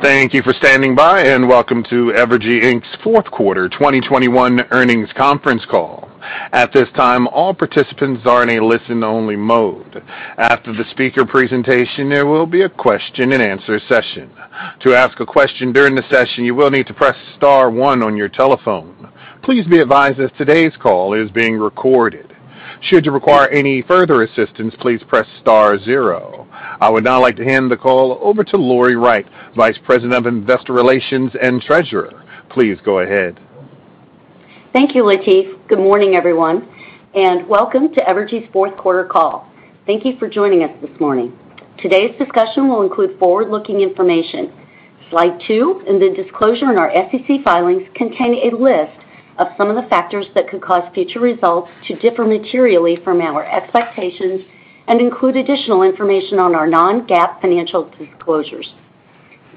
Thank you for standing by, and welcome to Evergy, Inc.'s Q4 2021 Earnings Conference Call. At this time, all participants are in a listen-only mode. After the speaker presentation, there will be a question-and-answer session. To ask a question during the session, you will need to press star one on your telephone. Please be advised that today's call is being recorded. Should you require any further assistance, please press star zero. I would now like to hand the call over to Lori Wright, Vice President of Investor Relations and Treasurer. Please go ahead. Thank you, Latif. Good morning, everyone, and welcome to Evergy's Q4 Call. Thank you for joining us this morning. Today's discussion will include forward-looking information. Slide two and the disclosure in our SEC filings contain a list of some of the factors that could cause future results to differ materially from our expectations and include additional information on our non-GAAP financial disclosures.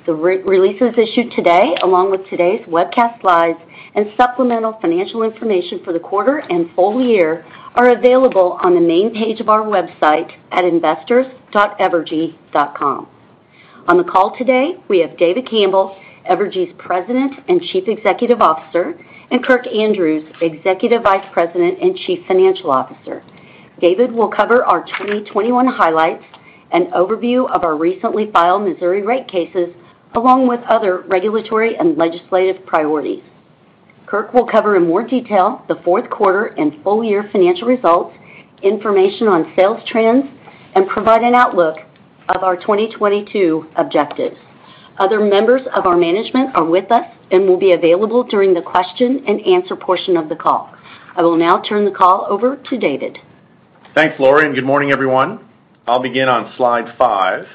The press releases issued today, along with today's webcast slides and supplemental financial information for the quarter and full year, are available on the main page of our website at investors.evergy.com. On the call today, we have David Campbell, Evergy's President and Chief Executive Officer, and Kirk Andrews, Executive Vice President and Chief Financial Officer. David will cover our 2021 highlights and overview of our recently filed Missouri rate cases, along with other regulatory and legislative priorities. Kirk will cover in more detail the Q4 and full year financial results, information on sales trends, and provide an outlook of our 2022 objectives. Other members of our management are with us and will be available during the question-and-answer portion of the call. I will now turn the call over to David. Thanks, Lori, and good morning, everyone. I'll begin on slide five.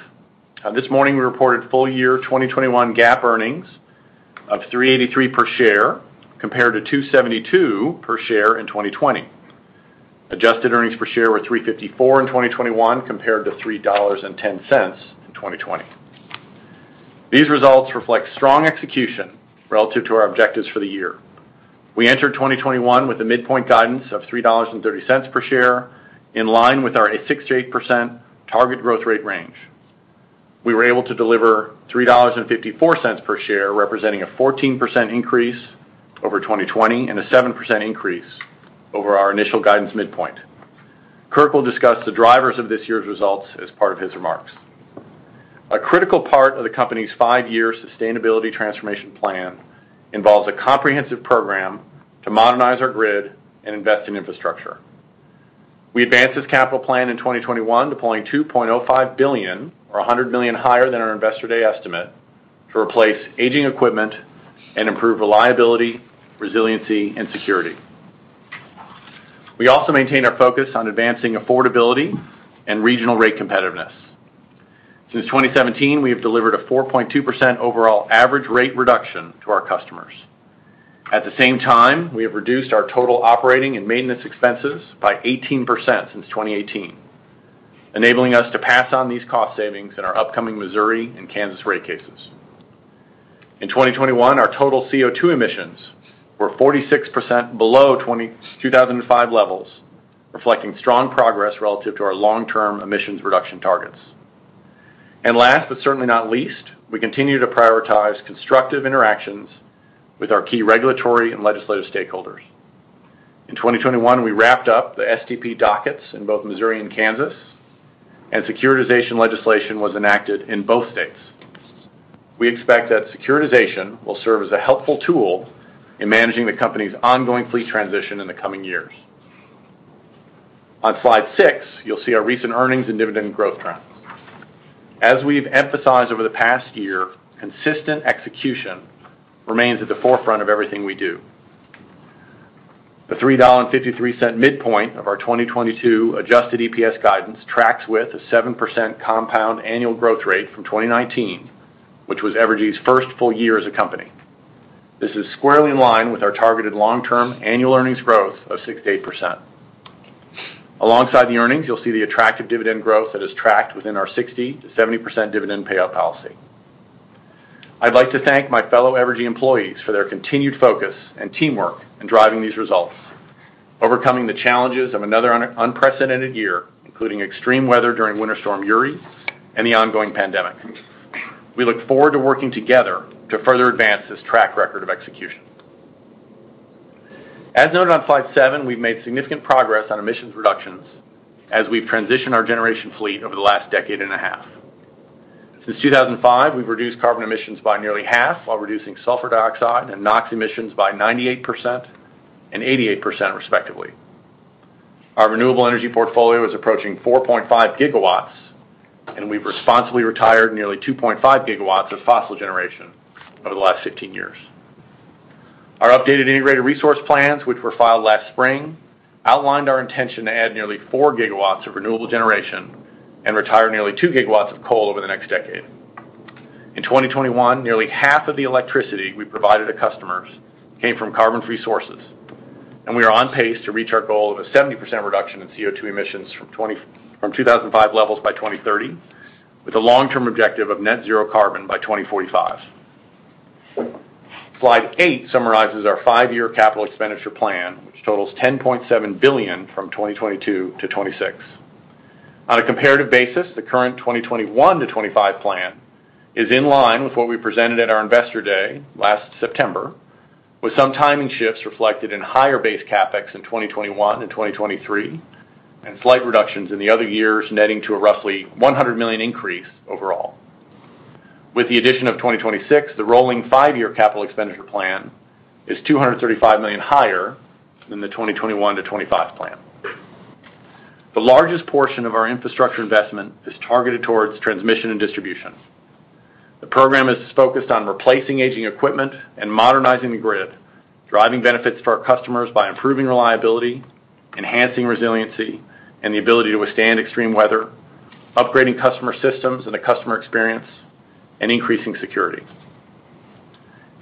This morning we reported full year 2021 GAAP earnings of $3.83 per share, compared to $2.72 per share in 2020. Adjusted earnings per share were $3.54 in 2021, compared to $3.10 in 2020. These results reflect strong execution relative to our objectives for the year. We entered 2021 with a midpoint guidance of $3.30 per share, in line with our 6%-8% target growth rate range. We were able to deliver $3.54 per share, representing a 14% increase over 2020 and a 7% increase over our initial guidance midpoint. Kirk will discuss the drivers of this year's results as part of his remarks. A critical part of the company's five-year sustainability transformation plan involves a comprehensive program to modernize our grid and invest in infrastructure. We advanced this capital plan in 2021 to $2.05 billion, or $100 million higher than our Investor Day estimate, to replace aging equipment and improve reliability, resiliency, and security. We also maintain our focus on advancing affordability and regional rate competitiveness. Since 2017, we have delivered a 4.2% overall average rate reduction to our customers. At the same time, we have reduced our total operating and maintenance expenses by 18% since 2018, enabling us to pass on these cost savings in our upcoming Missouri and Kansas rate cases. In 2021, our total CO₂ emissions were 46% below 2005 levels, reflecting strong progress relative to our long-term emissions reduction targets. Last, but certainly not least, we continue to prioritize constructive interactions with our key regulatory and legislative stakeholders. In 2021, we wrapped up the SDP dockets in both Missouri and Kansas, and securitization legislation was enacted in both states. We expect that securitization will serve as a helpful tool in managing the company's ongoing fleet transition in the coming years. On slide six, you'll see our recent earnings and dividend growth trends. As we've emphasized over the past year, consistent execution remains at the forefront of everything we do. The $3.53 midpoint of our 2022 adjusted EPS guidance tracks with a 7% compound annual growth rate from 2019, which was Evergy's first full year as a company. This is squarely in line with our targeted long-term annual earnings growth of 6%-8%. Alongside the earnings, you'll see the attractive dividend growth that is tracked within our 60%-70% dividend payout policy. I'd like to thank my fellow Evergy employees for their continued focus and teamwork in driving these results, overcoming the challenges of another unprecedented year, including extreme weather during Winter Storm Uri and the ongoing pandemic. We look forward to working together to further advance this track record of execution. As noted on slide seven, we've made significant progress on emissions reductions as we've transitioned our generation fleet over the last decade and a half. Since 2005, we've reduced carbon emissions by nearly half while reducing sulfur dioxide and NOx emissions by 98% and 88% respectively. Our renewable energy portfolio is approaching 4.5 GW, and we've responsibly retired nearly 2.5 GW of fossil generation over the last 15 years. Our updated integrated resource plans, which were filed last spring, outlined our intention to add nearly 4 GW of renewable generation and retire nearly 2 GW of coal over the next decade. In 2021, nearly half of the electricity we provided to customers came from carbon-free sources, and we are on pace to reach our goal of a 70% reduction in CO₂ emissions from 2005 levels by 2030, with a long-term objective of net zero carbon by 2045. Slide eight summarizes our five-year capital expenditure plan, which totals $10.7 billion from 2022 to 2026. On a comparative basis, the current 2021-2025 plan is in line with what we presented at our Investor Day last September, with some timing shifts reflected in higher base CapEx in 2021 and 2023, and slight reductions in the other years, netting to a roughly $100 million increase overall. With the addition of 2026, the rolling five-year capital expenditure plan is $235 million higher than the 2021-2025 plan. The largest portion of our infrastructure investment is targeted towards transmission and distribution. The program is focused on replacing aging equipment and modernizing the grid, driving benefits to our customers by improving reliability, enhancing resiliency and the ability to withstand extreme weather, upgrading customer systems and the customer experience, and increasing security.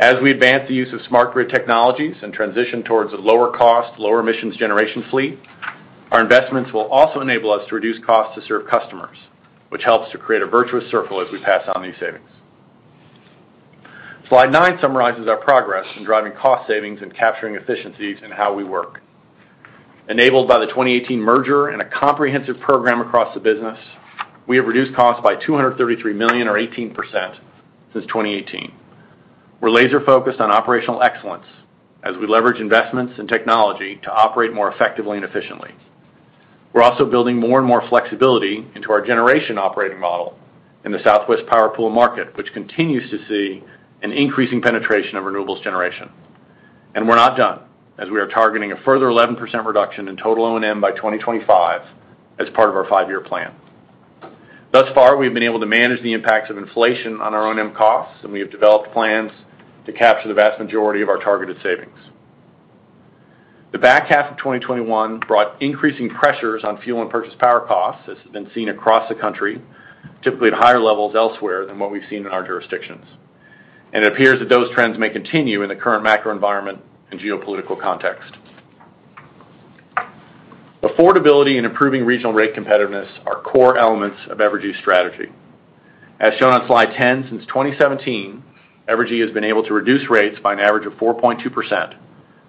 As we advance the use of smart grid technologies and transition towards a lower cost, lower emissions generation fleet, our investments will also enable us to reduce costs to serve customers, which helps to create a virtuous circle as we pass on these savings. Slide nine summarizes our progress in driving cost savings and capturing efficiencies in how we work. Enabled by the 2018 merger and a comprehensive program across the business, we have reduced costs by $233 million, or 18%, since 2018. We're laser-focused on operational excellence as we leverage investments in technology to operate more effectively and efficiently. We're also building more and more flexibility into our generation operating model in the Southwest Power Pool market, which continues to see an increasing penetration of renewables generation. We're not done, as we are targeting a further 11% reduction in total O&M by 2025 as part of our five-year plan. Thus far, we've been able to manage the impacts of inflation on our O&M costs, and we have developed plans to capture the vast majority of our targeted savings. The back half of 2021 brought increasing pressures on fuel and purchase power costs, as has been seen across the country, typically at higher levels elsewhere than what we've seen in our jurisdictions. It appears that those trends may continue in the current macro environment and geopolitical context. Affordability and improving regional rate competitiveness are core elements of Evergy's strategy. As shown on slide 10, since 2017, Evergy has been able to reduce rates by an average of 4.2%,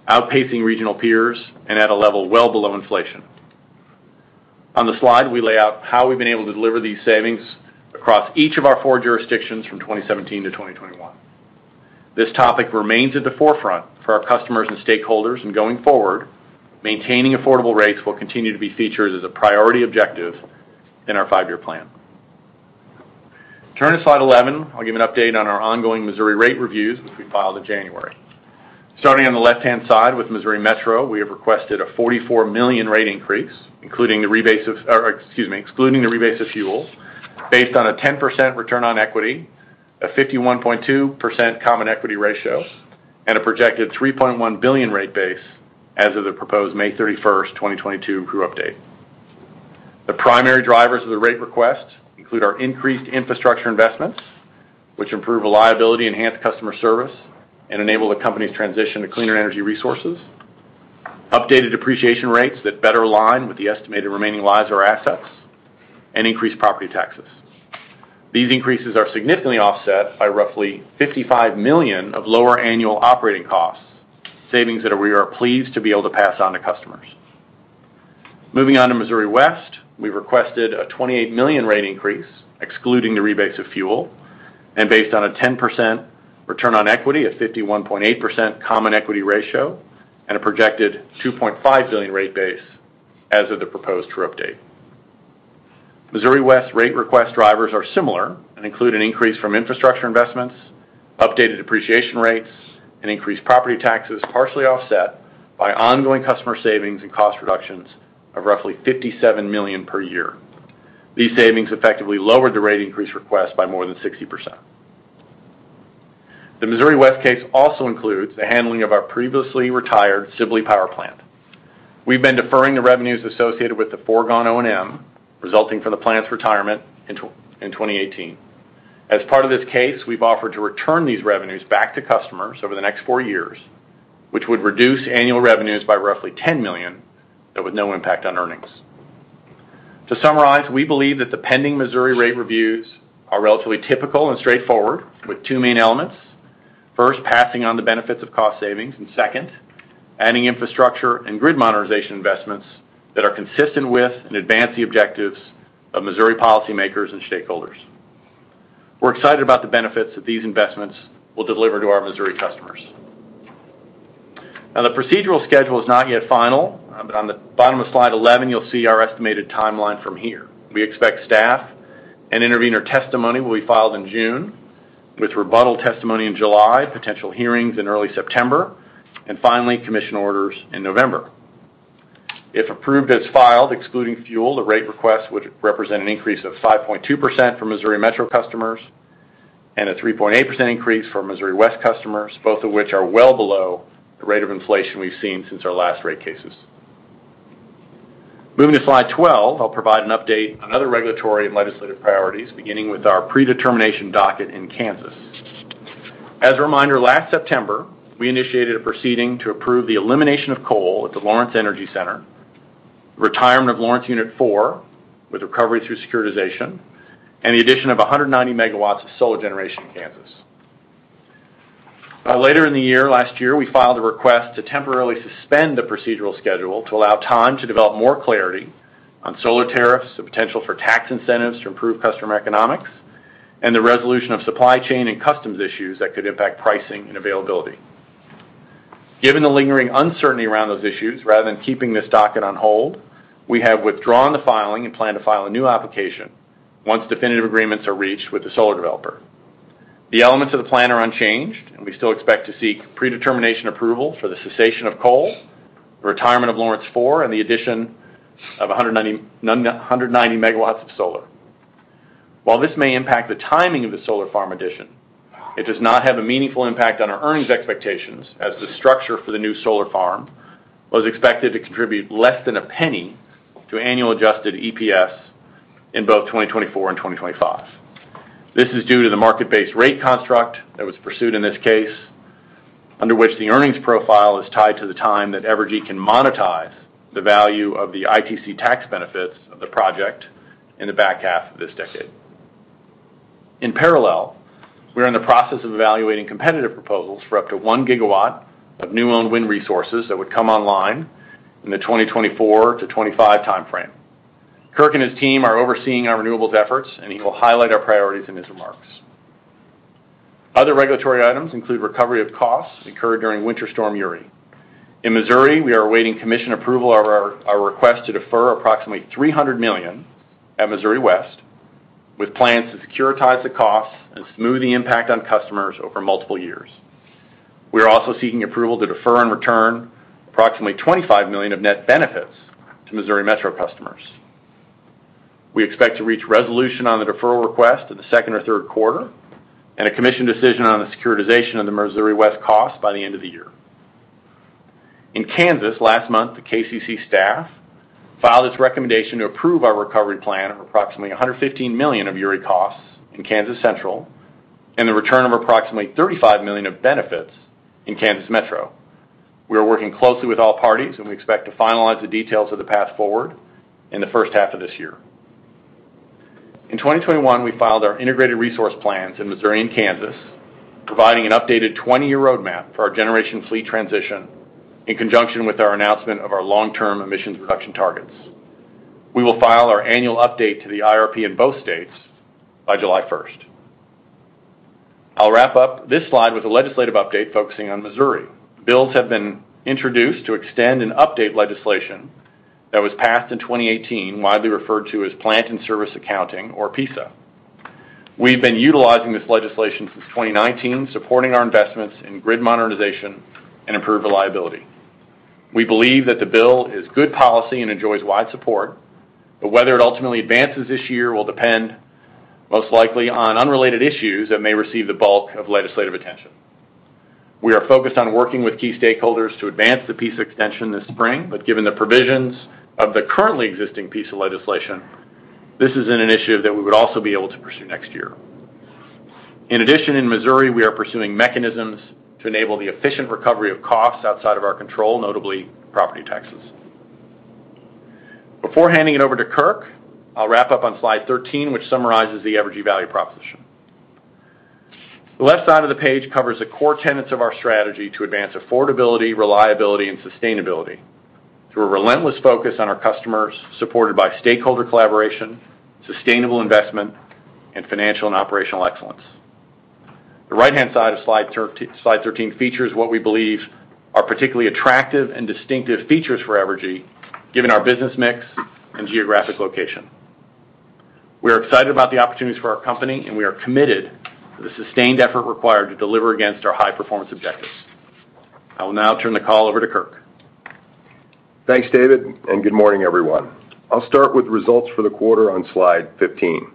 outpacing regional peers and at a level well below inflation. On the slide, we lay out how we've been able to deliver these savings across each of our four jurisdictions from 2017 to 2021. This topic remains at the forefront for our customers and stakeholders, and going forward, maintaining affordable rates will continue to be featured as a priority objective in our five-year plan. Turning to slide 11, I'll give an update on our ongoing Missouri rate reviews, which we filed in January. Starting on the left-hand side with Missouri Metro, we have requested a $44 million rate increase, excluding the rebases of fuels, based on a 10% return on equity, a 51.2% common equity ratio, and a projected $3.1 billion rate base as of the proposed 31 May 2022 true-up. The primary drivers of the rate request include our increased infrastructure investments, which improve reliability, enhance customer service, and enable the company's transition to cleaner energy resources, updated depreciation rates that better align with the estimated remaining lives of our assets, and increased property taxes. These increases are significantly offset by roughly $55 million of lower annual operating costs, savings that we are pleased to be able to pass on to customers. Moving on to Missouri West, we requested a $28 million rate increase, excluding the rebates of fuel, and based on a 10% return on equity, a 51.8% common equity ratio, and a projected $2.5 billion rate base as of the proposed true-up. Missouri West rate request drivers are similar and include an increase from infrastructure investments, updated depreciation rates, and increased property taxes, partially offset by ongoing customer savings and cost reductions of roughly $57 million per year. These savings effectively lowered the rate increase request by more than 60%. The Missouri West case also includes the handling of our previously retired Sibley Power Plant. We've been deferring the revenues associated with the foregone O&M, resulting from the plant's retirement in 2018. As part of this case, we've offered to return these revenues back to customers over the next four years, which would reduce annual revenues by roughly $10 million, though with no impact on earnings. To summarize, we believe that the pending Missouri rate reviews are relatively typical and straightforward, with two main elements. First, passing on the benefits of cost savings, and second, adding infrastructure and grid modernization investments that are consistent with and advance the objectives of Missouri policymakers and stakeholders. We're excited about the benefits that these investments will deliver to our Missouri customers. Now, the procedural schedule is not yet final. On the bottom of slide 11, you'll see our estimated timeline from here. We expect staff and intervener testimony will be filed in June, with rebuttal testimony in July, potential hearings in early September, and finally, commission orders in November. If approved as filed, excluding fuel, the rate request would represent an increase of 5.2% for Missouri Metro customers and a 3.8% increase for Missouri West customers, both of which are well below the rate of inflation we've seen since our last rate cases. Moving to slide 12, I'll provide an update on other regulatory and legislative priorities, beginning with our predetermination docket in Kansas. As a reminder, last September, we initiated a proceeding to approve the elimination of coal at the Lawrence Energy Center retirement of Lawrence Unit Four with recovery through securitization, and the addition of 190 MW of solar generation in Kansas. Later in the year, last year, we filed a request to temporarily suspend the procedural schedule to allow time to develop more clarity on solar tariffs, the potential for tax incentives to improve customer economics, and the resolution of supply chain and customs issues that could impact pricing and availability. Given the lingering uncertainty around those issues, rather than keeping this docket on hold, we have withdrawn the filing and plan to file a new application once definitive agreements are reached with the solar developer. The elements of the plan are unchanged, and we still expect to seek predetermination approval for the cessation of coal, the retirement of Lawrence Four, and the addition of 190 MW of solar. While this may impact the timing of the solar farm addition, it does not have a meaningful impact on our earnings expectations as the structure for the new solar farm was expected to contribute less than a penny to annual adjusted EPS in both 2024 and 2025. This is due to the market-based rate construct that was pursued in this case, under which the earnings profile is tied to the time that Evergy can monetize the value of the ITC tax benefits of the project in the back half of this decade. In parallel, we're in the process of evaluating competitive proposals for up to 1 GW of new owned wind resources that would come online in the 2024-2025 timeframe. Kirk and his team are overseeing our renewables efforts, and he will highlight our priorities in his remarks. Other regulatory items include recovery of costs incurred during Winter Storm Uri. In Missouri, we are awaiting Commission approval of our request to defer approximately $300 million at Missouri West, with plans to securitize the costs and smooth the impact on customers over multiple years. We are also seeking approval to defer and return approximately $25 million of net benefits to Missouri Metro customers. We expect to reach resolution on the deferral request in the Q2 or Q3 and a Commission decision on the securitization of the Missouri West coast by the end of the year. In Kansas, last month, the KCC staff filed its recommendation to approve our recovery plan of approximately $115 million of Uri costs in Kansas Central and the return of approximately $35 million of benefits in Kansas Metro. We are working closely with all parties, and we expect to finalize the details of the path forward in the first half of this year. In 2021, we filed our integrated resource plans in Missouri and Kansas, providing an updated 20-year roadmap for our generation fleet transition in conjunction with our announcement of our long-term emissions reduction targets. We will file our annual update to the IRP in both states by 1 July. I'll wrap up this slide with a legislative update focusing on Missouri. Bills have been introduced to extend and update legislation that was passed in 2018, widely referred to as Plant-in-Service Accounting, or PISA. We've been utilizing this legislation since 2019, supporting our investments in grid modernization and improved reliability. We believe that the bill is good policy and enjoys wide support, but whether it ultimately advances this year will depend most likely on unrelated issues that may receive the bulk of legislative attention. We are focused on working with key stakeholders to advance the PISA extension this spring but given the provisions of the currently existing PISA legislation, this isn't an issue that we would also be able to pursue next year. In addition, in Missouri, we are pursuing mechanisms to enable the efficient recovery of costs outside of our control, notably property taxes. Before handing it over to Kirk, I'll wrap up on slide 13, which summarizes the Evergy value proposition. The left side of the page covers the core tenets of our strategy to advance affordability, reliability, and sustainability through a relentless focus on our customers, supported by stakeholder collaboration, sustainable investment, and financial and operational excellence. The right-hand side of slide 13 features what we believe are particularly attractive and distinctive features for Evergy, given our business mix and geographic location. We are excited about the opportunities for our company, and we are committed to the sustained effort required to deliver against our high-performance objectives. I will now turn the call over to Kirk. Thanks, David, and good morning, everyone. I'll start with results for the quarter on slide 15.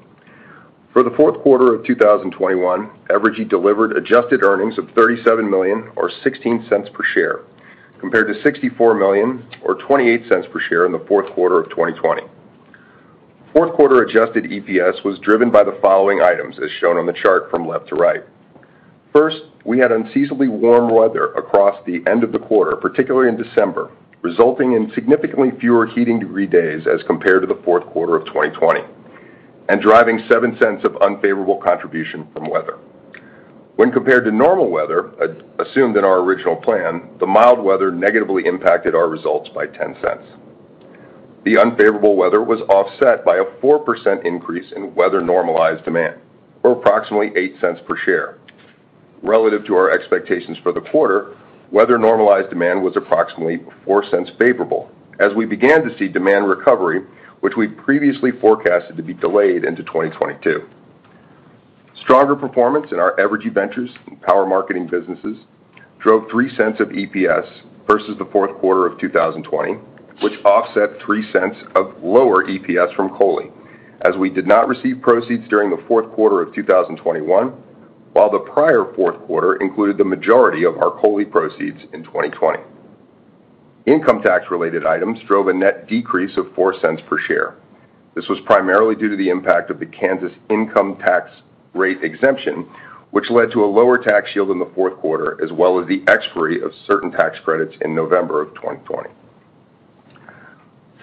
For the Q4 of 2021, Evergy delivered adjusted earnings of $37 million or $0.16 per share, compared to $64 million or $0.28 per share in the Q4 of 2020. Q4 adjusted EPS was driven by the following items as shown on the chart from left to right. First, we had unseasonably warm weather across the end of the quarter, particularly in December, resulting in significantly fewer heating degree days as compared to the Q4 of 2020 and driving $0.07 Of unfavorable contribution from weather. When compared to normal weather, as assumed in our original plan, the mild weather negatively impacted our results by $0.10. The unfavorable weather was offset by a 4% increase in weather-normalized demand or approximately $0.08 per share. Relative to our expectations for the quarter, weather-normalized demand was approximately $0.04 favorable as we began to see demand recovery, which we previously forecasted to be delayed into 2022. Stronger performance in our Evergy Ventures and Power Marketing businesses drove $0.03 of EPS versus the Q4 of 2020, which offset $0.03 of lower EPS from COLI, as we did not receive proceeds during the Q4 of 2021, while the prior Q4 included the majority of our COLI proceeds in 2020. Income tax-related items drove a net decrease of $0.04 per share. This was primarily due to the impact of the Kansas income tax rate exemption, which led to a lower tax shield in the Q4, as well as the expiry of certain tax credits in November of 2020.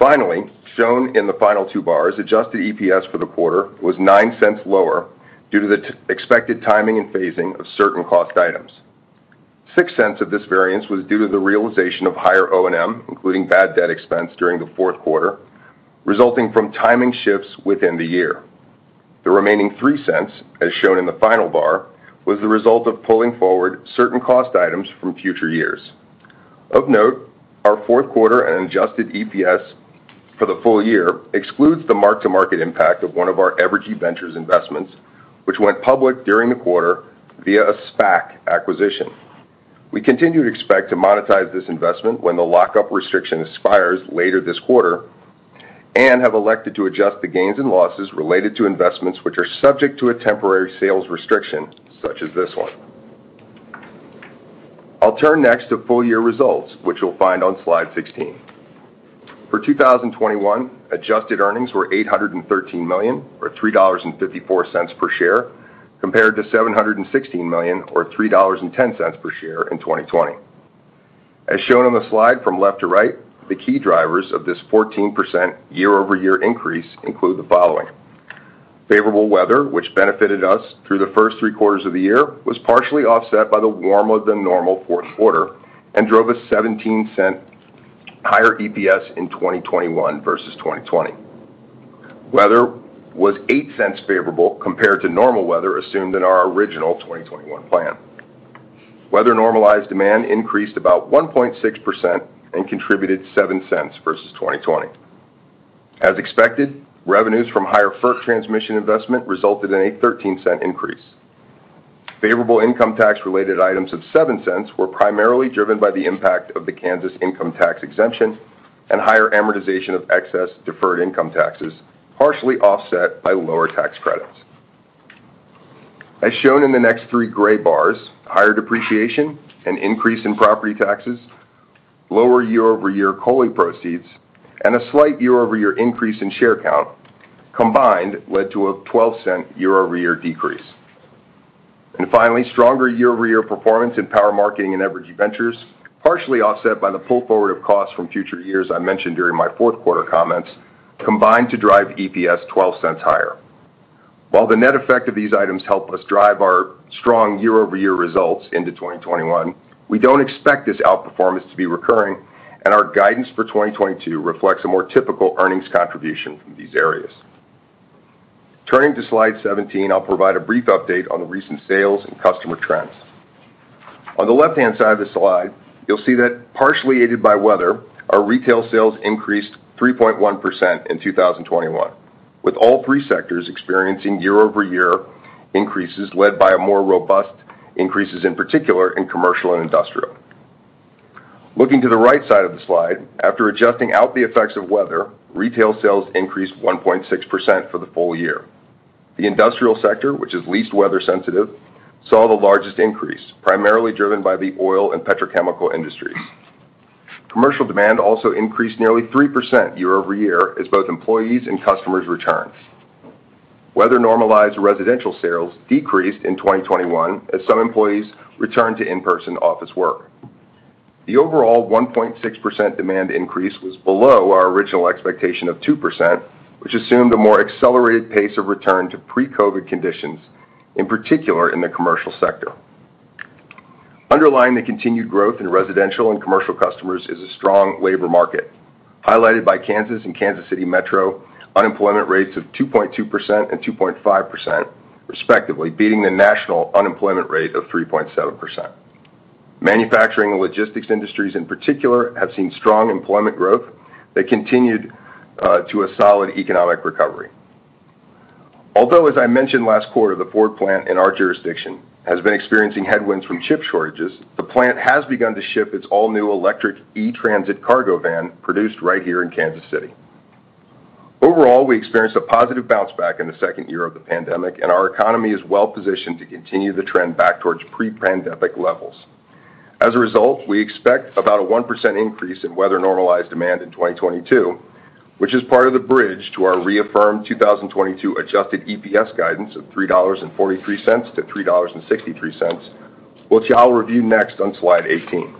Finally, shown in the final two bars, adjusted EPS for the quarter was $0.09 lower due to the expected timing and phasing of certain cost items. $0.06 of this variance was due to the realization of higher O&M, including bad debt expense during the Q4, resulting from timing shifts within the year. The remaining $0.03, as shown in the final bar, was the result of pulling forward certain cost items from future years. Of note, our Q4 and adjusted EPS for the full year excludes the mark-to-market impact of one of our Evergy Ventures investments, which went public during the quarter via a SPAC acquisition. We continue to expect to monetize this investment when the lock-up restriction expires later this quarter and have elected to adjust the gains and losses related to investments which are subject to a temporary sales restriction, such as this one. I'll turn next to full-year results, which you'll find on slide 16. For 2021, adjusted earnings were $813 million, or $3.54 per share, compared to $716 million or $3.10 per share in 2020. As shown on the slide from left to right, the key drivers of this 14% year-over-year increase include the following. Favorable weather, which benefited us through the first three quarters of the year, was partially offset by the warmer than normal Q4 and drove a $0.17 higher EPS in 2021 versus 2020. Weather was $0.08 favorable compared to normal weather assumed in our original 2021 plan. Weather-normalized demand increased about 1.6% and contributed $0.07 Versus 2020. As expected, revenues from higher FERC transmission investment resulted in a $0.13 increase. Favorable income tax-related items of $0.07 were primarily driven by the impact of the Kansas income tax exemption and higher amortization of excess deferred income taxes, partially offset by lower tax credits. As shown in the next three gray bars, higher depreciation, an increase in property taxes, lower year-over-year COLI proceeds, and a slight year-over-year increase in share count combined led to a $0.12 year-over-year decrease. Finally, stronger year-over-year performance in Power Marketing and Evergy Ventures, partially offset by the pull forward of costs from future years I mentioned during my Q4 comments, combined to drive EPS $0.12 higher. While the net effect of these items help us drive our strong year-over-year results into 2021, we don't expect this outperformance to be recurring, and our guidance for 2022 reflects a more typical earnings contribution from these areas. Turning to slide 17, I'll provide a brief update on the recent sales and customer trends. On the left-hand side of the slide, you'll see that partially aided by weather, our retail sales increased 3.1% in 2021, with all three sectors experiencing year-over-year increases led by a more robust increases in particular in commercial and industrial. Looking to the right side of the slide, after adjusting out the effects of weather, retail sales increased 1.6% for the full year. The industrial sector, which is least weather sensitive, saw the largest increase, primarily driven by the oil and petrochemical industries. Commercial demand also increased nearly 3% year-over-year as both employees and customers returned. Weather-normalized residential sales decreased in 2021 as some employees returned to in-person office work. The overall 1.6% demand increase was below our original expectation of 2%, which assumed a more accelerated pace of return to pre-COVID conditions, in particular in the commercial sector. Underlying the continued growth in residential and commercial customers is a strong labor market, highlighted by Kansas and Kansas City metro unemployment rates of 2.2% and 2.5%, respectively, beating the national unemployment rate of 3.7%. Manufacturing and logistics industries in particular have seen strong employment growth that contribute to a solid economic recovery. Although, as I mentioned last quarter, the Ford plant in our jurisdiction has been experiencing headwinds from chip shortages, the plant has begun to ship its all-new electric E-Transit cargo van produced right here in Kansas City. Overall, we experienced a positive bounce back in the second year of the pandemic, and our economy is well-positioned to continue the trend back towards pre-pandemic levels. As a result, we expect about a 1% increase in weather-normalized demand in 2022, which is part of the bridge to our reaffirmed 2022 adjusted EPS guidance of $3.43-$3.63, which I'll review next on slide 18.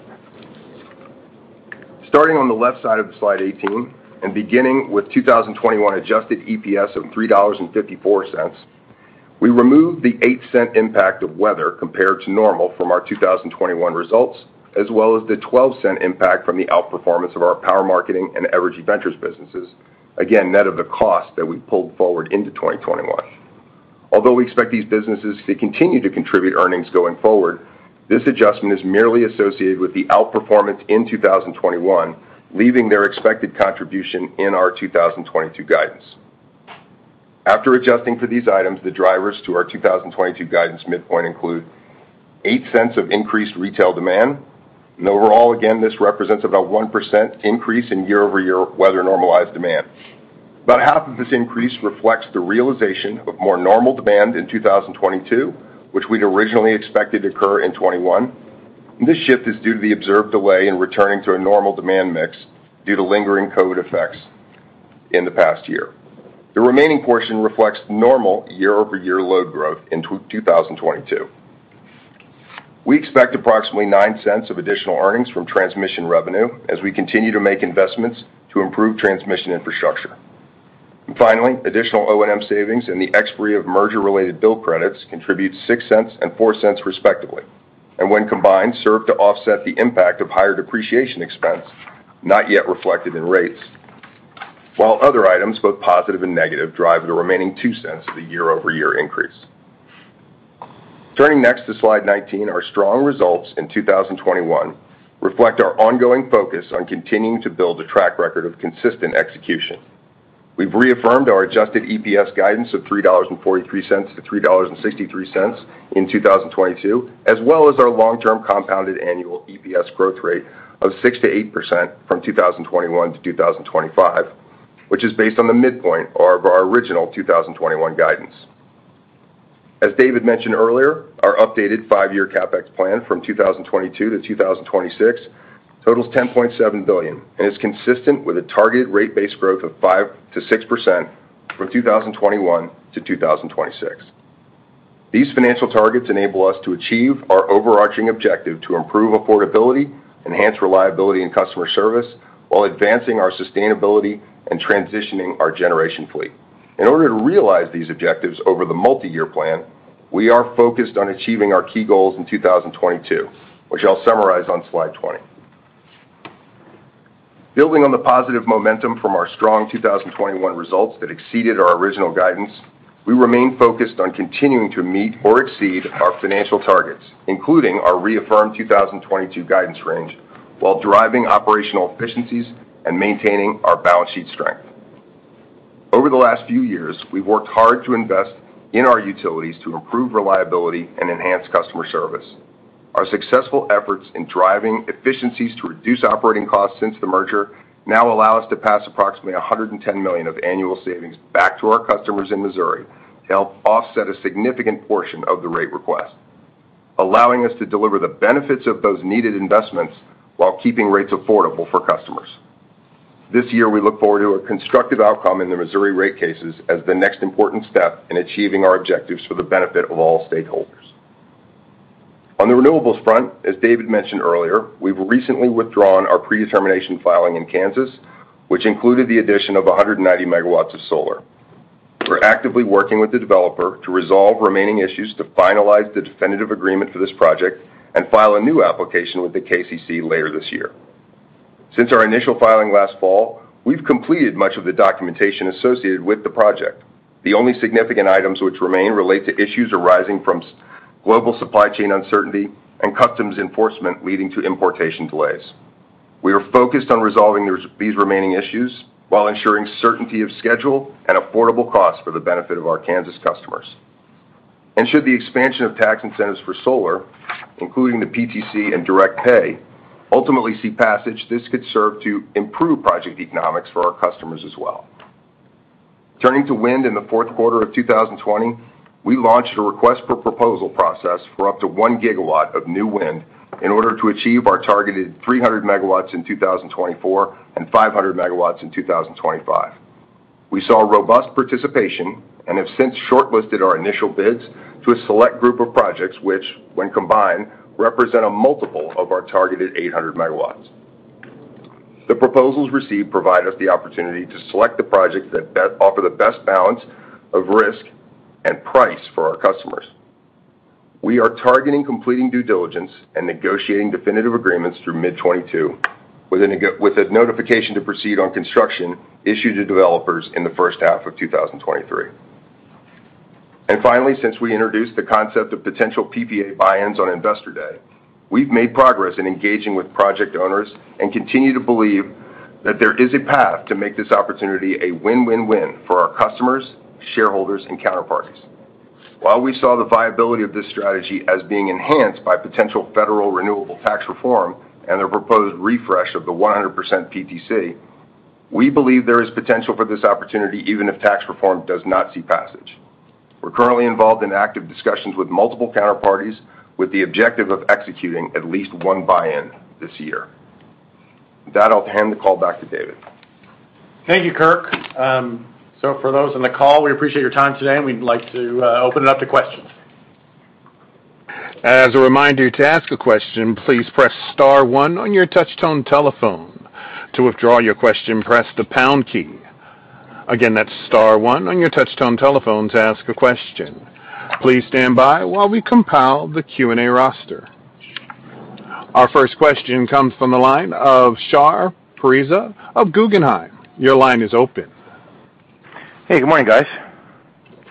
Starting on the left side of slide 18 and beginning with 2021 adjusted EPS of $3.54, we removed the $0.08 impact of weather compared to normal from our 2021 results, as well as the $0.12 impact from the outperformance of our Power Marketing and Evergy Ventures businesses, again, net of the cost that we pulled forward into 2021. Although we expect these businesses to continue to contribute earnings going forward, this adjustment is merely associated with the outperformance in 2021, leaving their expected contribution in our 2022 guidance. After adjusting for these items, the drivers to our 2022 guidance midpoint include $0.08 of increased retail demand, and overall, again, this represents about 1% increase in year-over-year weather-normalized demand. About half of this increase reflects the realization of more normal demand in 2022, which we'd originally expected to occur in 2021. This shift is due to the observed delay in returning to a normal demand mix due to lingering COVID effects in the past year. The remaining portion reflects normal year-over-year load growth in 2022. We expect approximately $0.09 of additional earnings from transmission revenue as we continue to make investments to improve transmission infrastructure. Finally, additional O&M savings and the expiry of merger-related bill credits contribute $0.06 and $0.04 respectively, and when combined, serve to offset the impact of higher depreciation expense not yet reflected in rates. While other items, both positive and negative, drive the remaining $0.02 of the year-over-year increase. Turning next to slide 19, our strong results in 2021 reflect our ongoing focus on continuing to build a track record of consistent execution. We've reaffirmed our adjusted EPS guidance of $3.43 to $3.63 in 2022, as well as our long-term compounded annual EPS growth rate of 6%-8% from 2021 to 2025, which is based on the midpoint of our original 2021 guidance. As David mentioned earlier, our updated five-year CapEx plan from 2022 to 2026 totals $10.7 billion and is consistent with a targeted rate base growth of 5%-6% from 2021 to 2026. These financial targets enable us to achieve our overarching objective to improve affordability, enhance reliability and customer service, while advancing our sustainability and transitioning our generation fleet. In order to realize these objectives over the multiyear plan, we are focused on achieving our key goals in 2022, which I'll summarize on slide 20. Building on the positive momentum from our strong 2021 results that exceeded our original guidance, we remain focused on continuing to meet or exceed our financial targets, including our reaffirmed 2022 guidance range, while driving operational efficiencies and maintaining our balance sheet strength. Over the last few years, we've worked hard to invest in our utilities to improve reliability and enhance customer service. Our successful efforts in driving efficiencies to reduce operating costs since the merger now allow us to pass approximately $110 million of annual savings back to our customers in Missouri to help offset a significant portion of the rate request, allowing us to deliver the benefits of those needed investments while keeping rates affordable for customers. This year, we look forward to a constructive outcome in the Missouri rate cases as the next important step in achieving our objectives for the benefit of all stakeholders. On the renewables front, as David mentioned earlier, we've recently withdrawn our predetermination filing in Kansas, which included the addition of 190 MW of solar. We're actively working with the developer to resolve remaining issues to finalize the definitive agreement for this project and file a new application with the KCC later this year. Since our initial filing last fall, we've completed much of the documentation associated with the project. The only significant items which remain relate to issues arising from global supply chain uncertainty and customs enforcement leading to importation delays. We are focused on resolving these remaining issues while ensuring certainty of schedule and affordable cost for the benefit of our Kansas customers. Should the expansion of tax incentives for solar, including the PTC and direct pay, ultimately see passage, this could serve to improve project economics for our customers as well. Turning to wind in the Q4 of 2020, we launched a request for proposal process for up to 1 GW of new wind in order to achieve our targeted 300 MW in 2024 and 500 MW in 2025. We saw robust participation and have since shortlisted our initial bids to a select group of projects which, when combined, represent a multiple of our targeted 800 MW. The proposals received provide us the opportunity to select the projects that offer the best balance of risk and price for our customers. We are targeting completing due diligence and negotiating definitive agreements through mid-2022, with a notification to proceed on construction issued to developers in the first half of 2023. Finally, since we introduced the concept of potential PPA buy-ins on Investor Day, we've made progress in engaging with project owners and continue to believe that there is a path to make this opportunity a win-win-win for our customers, shareholders, and counterparties. While we saw the viability of this strategy as being enhanced by potential federal renewable tax reform and the proposed refresh of the 100% PTC, we believe there is potential for this opportunity even if tax reform does not see passage. We're currently involved in active discussions with multiple counterparties with the objective of executing at least one buy-in this year. With that, I'll hand the call back to David. Thank you, Kirk. For those on the call, we appreciate your time today, and we'd like to open it up to questions. As a reminder to ask a question please press star one on your touchtone telephone. To withdraw your question, press the pound key. Again, that is star one on your touchtone telephone to ask a question. Please stand by as we compile the Q&A roster. Our first question comes from the line of Shar Pourreza of Guggenheim. Your line is open. Hey, good morning, guys.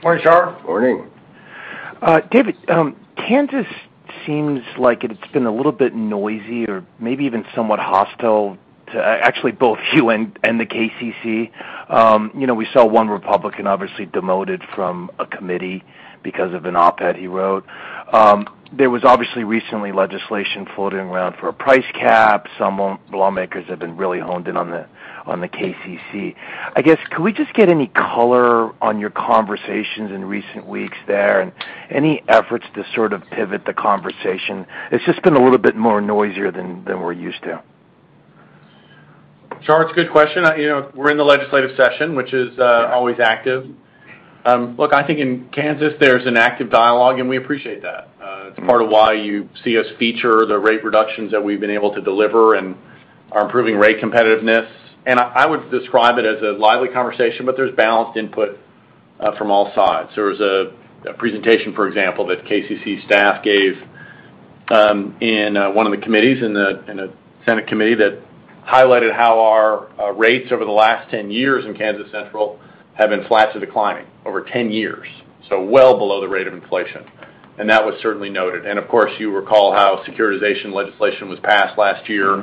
Morning, Shar. Morning. David, Kansas seems like it's been a little bit noisy or maybe even somewhat hostile to actually both you and the KCC. You know, we saw one Republican obviously demoted from a committee because of an op-ed he wrote. There was obviously recently legislation floating around for a price cap. Some lawmakers have been really honed in on the KCC. I guess, could we just get any color on your conversations in recent weeks there and any efforts to sort of pivot the conversation? It's just been a little bit more noisier than we're used to. Shar, it's a good question. You know, we're in the legislative session, which is always active. Look, I think in Kansas there's an active dialogue, and we appreciate that. It's part of why you see us feature the rate reductions that we've been able to deliver and are improving rate competitiveness. I would describe it as a lively conversation, but there's balanced input from all sides. There was a presentation, for example, that KCC staff gave in one of the committees in a Senate committee that highlighted how our rates over the last 10 years in Kansas Central have been flat to declining over 10 years, so well below the rate of inflation. That was certainly noted. Of course, you recall how securitization legislation was passed last year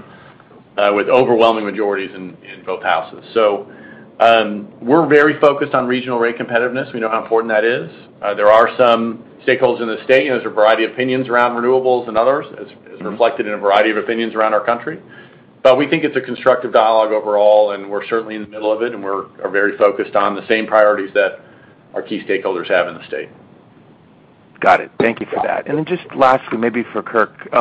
with overwhelming majorities in both houses. We're very focused on regional rate competitiveness. We know how important that is. There are some stakeholders in the state, and there's a variety of opinions around renewables and others, as reflected in a variety of opinions around our country. We think it's a constructive dialogue overall, and we're certainly in the middle of it, and we're very focused on the same priorities that our key stakeholders have in the state. Got it. Thank you for that. Just lastly, maybe for Kirk,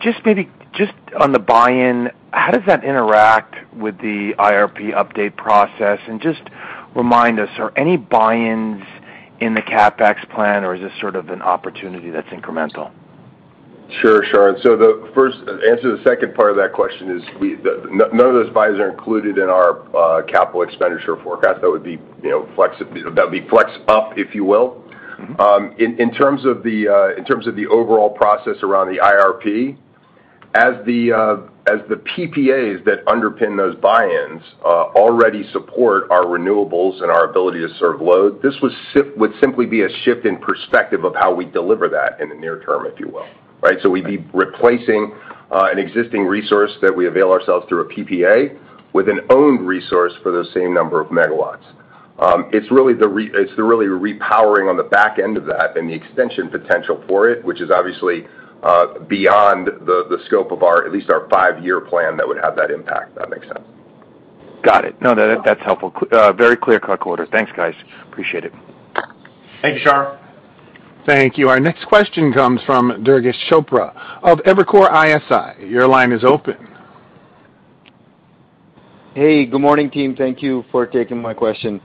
just maybe just on the buy-in, how does that interact with the IRP update process? Just remind us, are any buy-ins in the CapEx plan, or is this sort of an opportunity that's incremental? Sure, sure. The first answer to the second part of that question is none of those buys are included in our capital expenditure forecast. That would be, you know, flex up, if you will. Mm-hmm. In terms of the overall process around the IRP, as the PPAs that underpin those buy-ins already support our renewables and our ability to serve load, this would simply be a shift in perspective of how we deliver that in the near term, if you will, right? We'd be replacing an existing resource that we avail ourselves of a PPA with an owned resource for the same number of megawatts. It's really the repowering on the back end of that and the extension potential for it, which is obviously beyond the scope of our at least five-year plan that would have that impact, if that makes sense. Got it. No, that's helpful. Very clear cut quarter. Thanks, guys. Appreciate it. Thank you, Shar. Thank you. Our next question comes from Durgesh Chopra of Evercore ISI. Your line is open. Hey, good morning, team. Thank you for taking my question.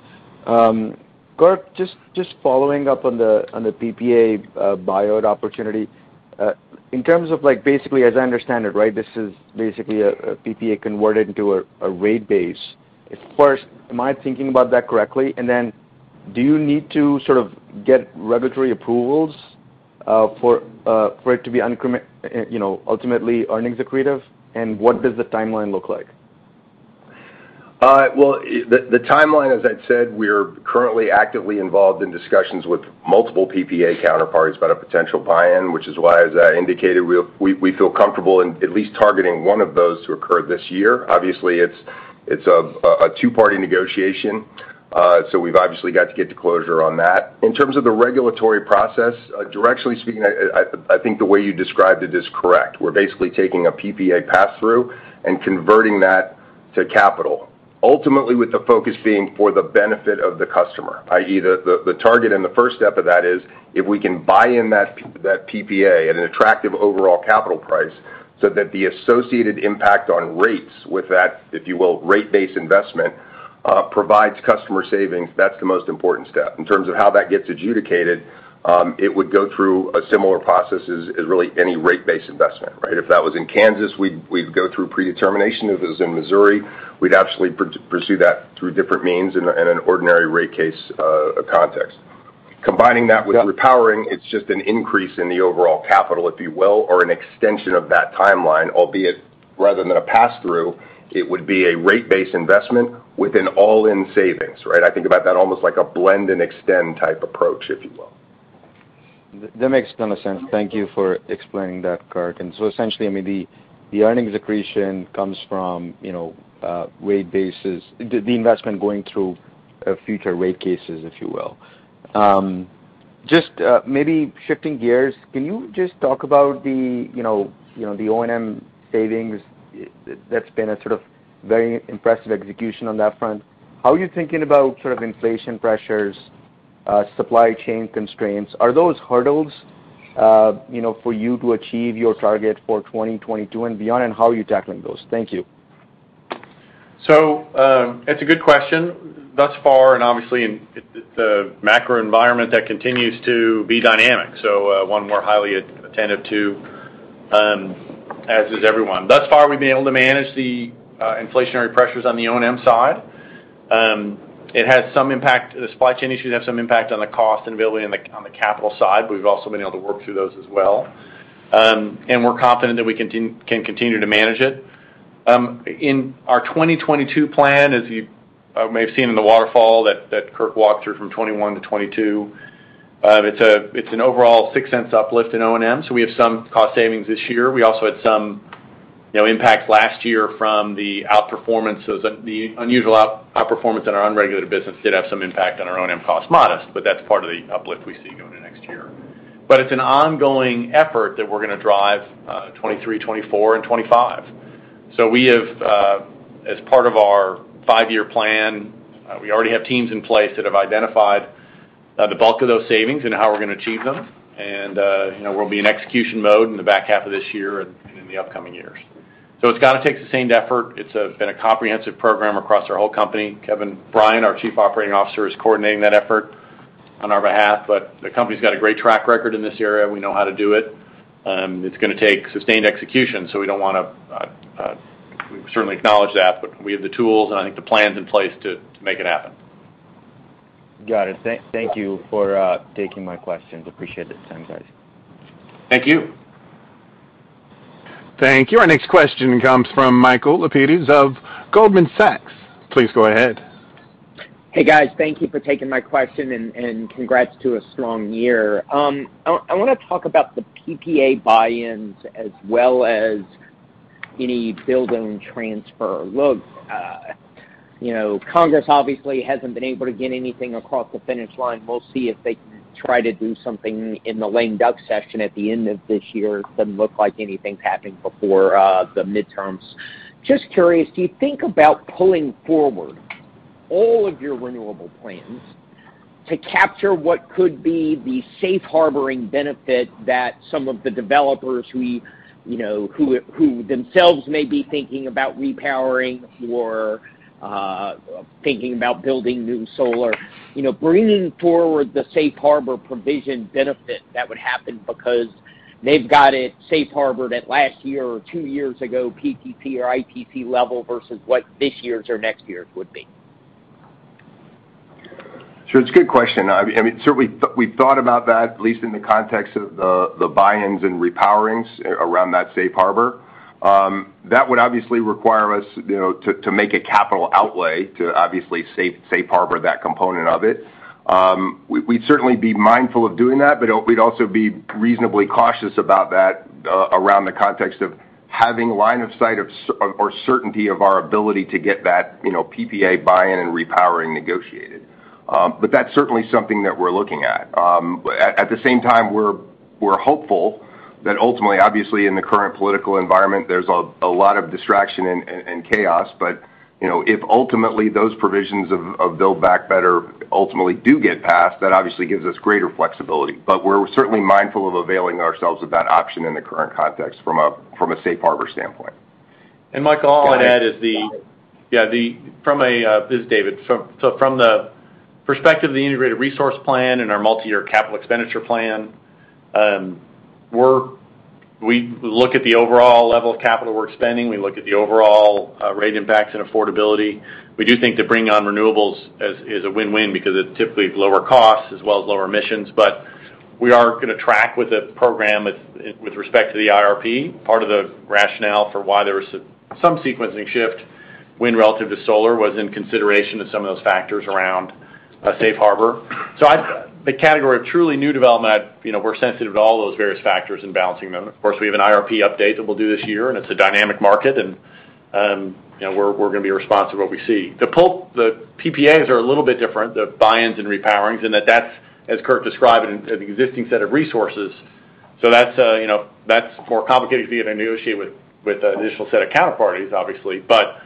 Kirk, just following up on the PPA buy-out opportunity. In terms of like, basically, as I understand it, right, this is basically a PPA converted into a rate base. First, am I thinking about that correctly? And then do you need to sort of get regulatory approvals for it to be, you know, ultimately earnings accretive, and what does the timeline look like? Well, the timeline, as I'd said, we're currently actively involved in discussions with multiple PPA counterparts about a potential buy-in, which is why, as I indicated, we feel comfortable in at least targeting one of those to occur this year. Obviously, it's a two-party negotiation, so we've obviously got to get to closure on that. In terms of the regulatory process, directionally speaking, I think the way you described it is correct. We're basically taking a PPA pass-through and converting that to capital, ultimately with the focus being for the benefit of the customer, i.e., the target and the first step of that is if we can buy in that PPA at an attractive overall capital price so that the associated impact on rates with that, if you will, rate-based investment provides customer savings, that's the most important step. In terms of how that gets adjudicated, it would go through a similar process as really any rate-based investment, right? If that was in Kansas, we'd go through predetermination. If it was in Missouri, we'd actually pursue that through different means in an ordinary rate case context. Combining that with repowering, it's just an increase in the overall capital, if you will, or an extension of that timeline, albeit rather than a pass-through, it would be a rate-based investment with an all-in savings, right? I think about that almost like a blend-and-extend type approach, if you will. That makes a ton of sense. Thank you for explaining that, Kirk. Essentially, I mean, the earnings accretion comes from, you know, rate bases, the investment going through future rate cases, if you will. Maybe shifting gears, can you just talk about the, you know, the O&M savings? That's been a sort of very impressive execution on that front. How are you thinking about sort of inflation pressures, supply chain constraints? Are those hurdles, you know, for you to achieve your target for 2022 and beyond? How are you tackling those? Thank you. That's a good question. Thus far, obviously in the macro environment, that continues to be dynamic, so one we're highly attentive to, as is everyone. Thus far, we've been able to manage the inflationary pressures on the O&M side. It has some impact. The supply chain issues have some impact on the cost and availability on the capital side. We've also been able to work through those as well. We're confident that we can continue to manage it. In our 2022 plan, as you may have seen in the waterfall that Kirk walked through from 2021 to 2022, it's an overall $0.06 uplift in O&M, so we have some cost savings this year. We also had some, you know, impacts last year from the unusual outperformance in our unregulated business did have some impact on our O&M costs, modest, but that's part of the uplift we see going to next year. It's an ongoing effort that we're gonna drive 2023, 2024 and 2025. We have, as part of our five-year plan, we already have teams in place that have identified The bulk of those savings and how we're gonna achieve them. You know, we'll be in execution mode in the back half of this year and in the upcoming years. It's gonna take sustained effort. It's been a comprehensive program across our whole company. Kevin Bryant, our Chief Operating Officer, is coordinating that effort on our behalf. The company's got a great track record in this area. We know how to do it. It's gonna take sustained execution, we don't wanna we certainly acknowledge that, but we have the tools, and I think the plans in place to make it happen. Got it. Thank you for taking my questions. Appreciate the time, guys. Thank you. Thank you. Our next question comes from Michael Lapides of Goldman Sachs. Please go ahead. Hey, guys. Thank you for taking my question and congrats to a strong year. I wanna talk about the PPA buy-ins as well as any build own transfer look. You know, Congress obviously hasn't been able to get anything across the finish line. We'll see if they can try to do something in the lame duck session at the end of this year. Doesn't look like anything's happening before the midterms. Just curious, do you think about pulling forward all of your renewable plans to capture what could be the safe harbor benefit that some of the developers, you know, who themselves may be thinking about repowering or thinking about building new solar. You know, bringing forward the safe harbor provision benefit that would happen because they've got it safe harbored at last year or two years ago, PTC or ITC level versus what this year's or next year's would be. Sure. It's a good question. I mean, certainly we thought about that, at least in the context of the buy-ins and re-powerings around that safe harbor. That would obviously require us, you know, to make a capital outlay to obviously safe harbor that component of it. We'd certainly be mindful of doing that, but we'd also be reasonably cautious about that, around the context of having line of sight or certainty of our ability to get that, you know, PPA buy-in and repowering negotiated. But that's certainly something that we're looking at. At the same time, we're hopeful that ultimately, obviously in the current political environment, there's a lot of distraction and chaos. You know, if ultimately those provisions of Build Back Better ultimately do get passed, that obviously gives us greater flexibility. We're certainly mindful of availing ourselves of that option in the current context from a safe harbor standpoint. Michael, all I'd add is the- Got it. This is David. From the perspective of the integrated resource plan and our multi-year capital expenditure plan, we look at the overall level of capital we're spending. We look at the overall rate impacts and affordability. We do think that bringing on renewables as is a win-win because it's typically lower costs as well as lower emissions. We are gonna track with the program with respect to the IRP, part of the rationale for why there was some sequencing shift, wind relative to solar, was in consideration of some of those factors around safe harbor. The category of truly new development, you know, we're sensitive to all those various factors and balancing them. Of course, we have an IRP update that we'll do this year, and it's a dynamic market, and you know, we're gonna be responsive to what we see. The PPAs are a little bit different, the buy-ins and repowerings, in that that's, as Kirk described, an existing set of resources. So that's more complicated to be able to negotiate with an initial set of counterparties, obviously. But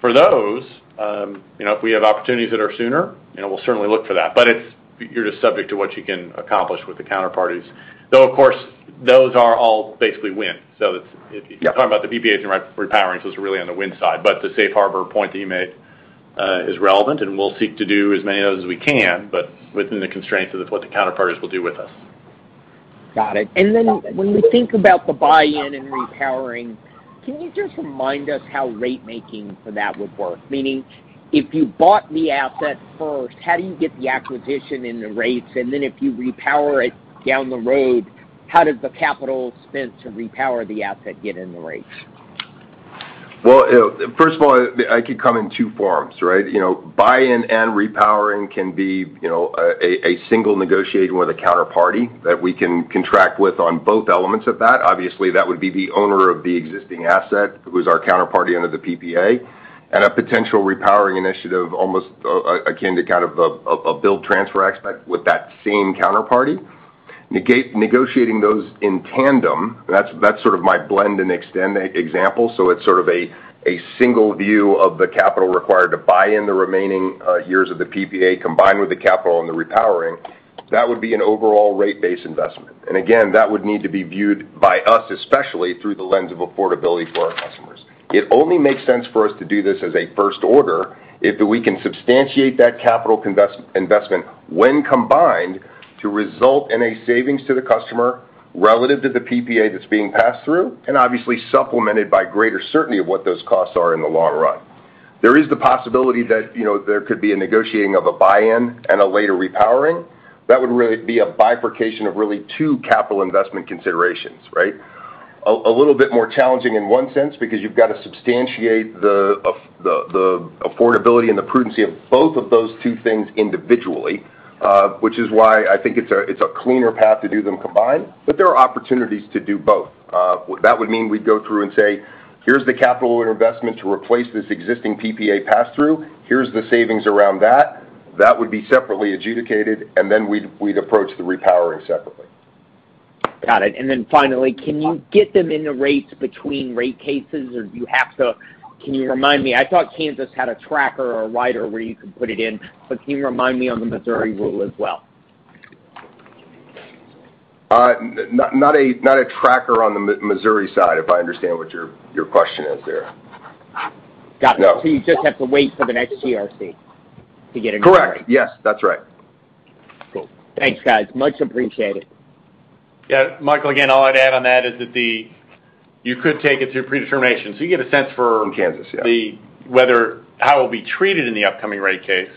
for those, if we have opportunities that are sooner, you know, we'll certainly look for that. But it's you're just subject to what you can accomplish with the counterparties. Though, of course, those are all basically wind. So it's Yeah. If you're talking about the PPAs and re-powerings, those are really on the wind side. The safe harbor point that you made, is relevant, and we'll seek to do as many of those as we can, but within the constraints of what the counterparties will do with us. Got it. When you think about the buy-in and repowering, can you just remind us how ratemaking for that would work? Meaning, if you bought the asset first, how do you get the acquisition and the rates? If you repower it down the road, how does the capital spent to repower the asset get in the rates? Well, first of all, it could come in two forms, right? You know, buy-in and repowering can be, you know, a single negotiation with a counterparty that we can contract with on both elements of that. Obviously, that would be the owner of the existing asset, who's our counterparty under the PPA, and a potential repowering initiative almost akin to kind of a build transfer aspect with that same counterparty. Negotiating those in tandem, that's sort of my blend and extend example. So it's sort of a single view of the capital required to buy in the remaining years of the PPA combined with the capital and the repowering. That would be an overall rate-based investment. Again, that would need to be viewed by us, especially through the lens of affordability for our customers. It only makes sense for us to do this as a first order if we can substantiate that capital investment when combined to result in a savings to the customer relative to the PPA that's being passed through, and obviously supplemented by greater certainty of what those costs are in the long run. There is the possibility that, you know, there could be a negotiating of a buy-in and a later repowering. That would really be a bifurcation of really two capital investment considerations, right? A little bit more challenging in one sense because you've got to substantiate the affordability and the prudence of both of those two things individually, which is why I think it's a cleaner path to do them combined. But there are opportunities to do both. that would mean we'd go through and say, "Here's the capital investment to replace this existing PPA pass-through. Here's the savings around that." That would be separately adjudicated, and then we'd approach the repowering separately. Got it. Finally, can you get them in the rates between rate cases? Can you remind me? I thought Kansas had a tracker or a rider where you could put it in, but can you remind me on the Missouri rule as well? Not a tracker on the Missouri side, if I understand what your question is there. Got it. No. You just have to wait for the next GRC to get it in writing. Correct. Yes, that's right. Cool. Thanks, guys. Much appreciated. Yeah. Michael, again, all I'd add on that is that you could take it through pre-determination. You get a sense for- In Kansas, yeah. whether how it'll be treated in the upcoming rate case.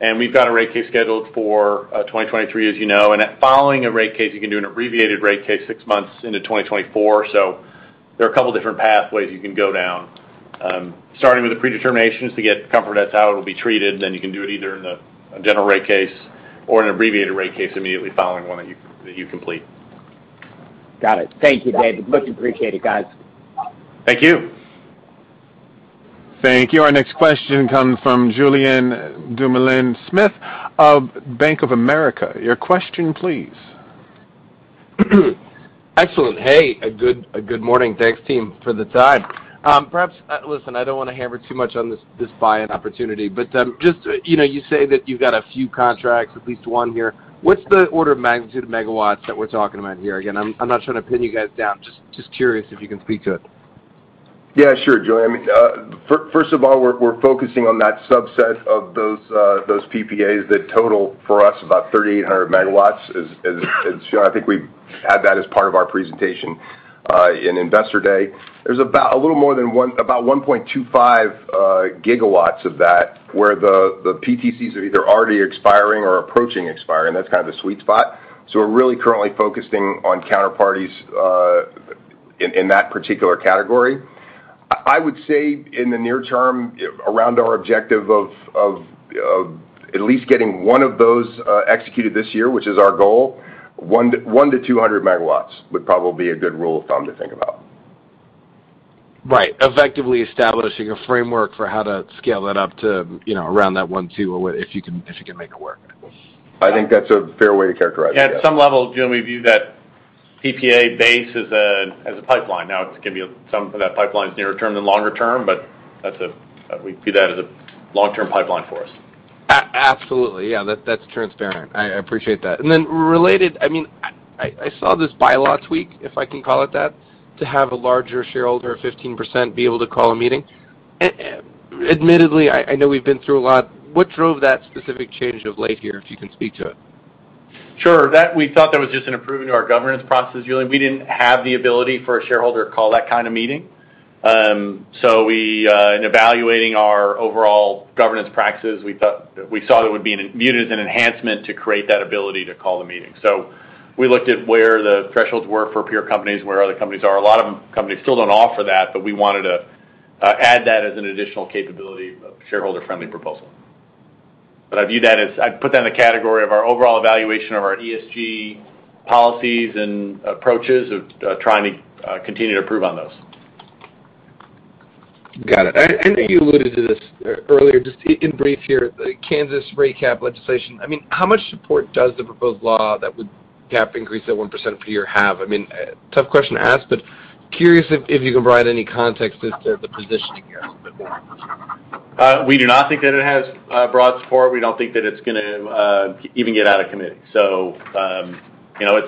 We've got a rate case scheduled for 2023, as you know. Following a rate case, you can do an abbreviated rate case six months into 2024. There are a couple different pathways you can go down. Starting with the predeterminations to get comfort that's how it will be treated, then you can do it either in a general rate case or an abbreviated rate case immediately following one that you complete. Got it. Thank you, David. Much appreciated, guys. Thank you. Thank you. Our next question comes from Julien Dumoulin-Smith of Bank of America. Your question, please. Excellent. Hey, good morning. Thanks team for the time. Listen, I don't wanna hammer too much on this buy-in opportunity, but just, you know, you say that you've got a few contracts, at least one here. What's the order of magnitude of megawatts that we're talking about here? Again, I'm not trying to pin you guys down. Just curious if you can speak to it. Yeah, sure, Julien. I mean, first of all, we're focusing on that subset of those PPAs that total for us about 3,800 MW. As Julien, I think we had that as part of our presentation in Investor Day. There's about a little more than 1.25 GW of that, where the PTCs are either already expiring or approaching expiring. That's kind of the sweet spot, so we're really currently focusing on counterparties in that particular category. I would say in the near term, around our objective of at least getting one of those executed this year, which is our goal, 100MW-200 MW would probably be a good rule of thumb to think about. Right. Effectively establishing a framework for how to scale that up to, you know, around that one, two or if you can make it work. I think that's a fair way to characterize it, yeah. At some level, Julien, we view that PPA base as a pipeline. Now, it's gonna be some of that pipeline's nearer term than longer term, but we view that as a long-term pipeline for us. Absolutely. Yeah, that's transparent. I appreciate that. Then related, I mean, I saw this bylaw tweak, if I can call it that, to have a larger shareholder of 15% be able to call a meeting. Admittedly, I know we've been through a lot. What drove that specific change of late here, if you can speak to it? Sure. That we thought that was just an improvement to our governance process, Julien. We didn't have the ability for a shareholder to call that kind of meeting. In evaluating our overall governance practices, we thought it would be viewed as an enhancement to create that ability to call the meeting. We looked at where the thresholds were for peer companies and where other companies are. A lot of companies still don't offer that, but we wanted to add that as an additional capability of shareholder-friendly proposal. I view that as. I'd put that in the category of our overall evaluation of our ESG policies and approaches of trying to continue to improve on those. Got it. I know you alluded to this earlier. Just in brief here, the Kansas rate cap legislation, I mean, how much support does the proposed law that would cap increase at 1% per year have? I mean, tough question to ask, but curious if you can provide any context as to the positioning here. We do not think that it has broad support. We don't think that it's gonna even get out of committee. You know,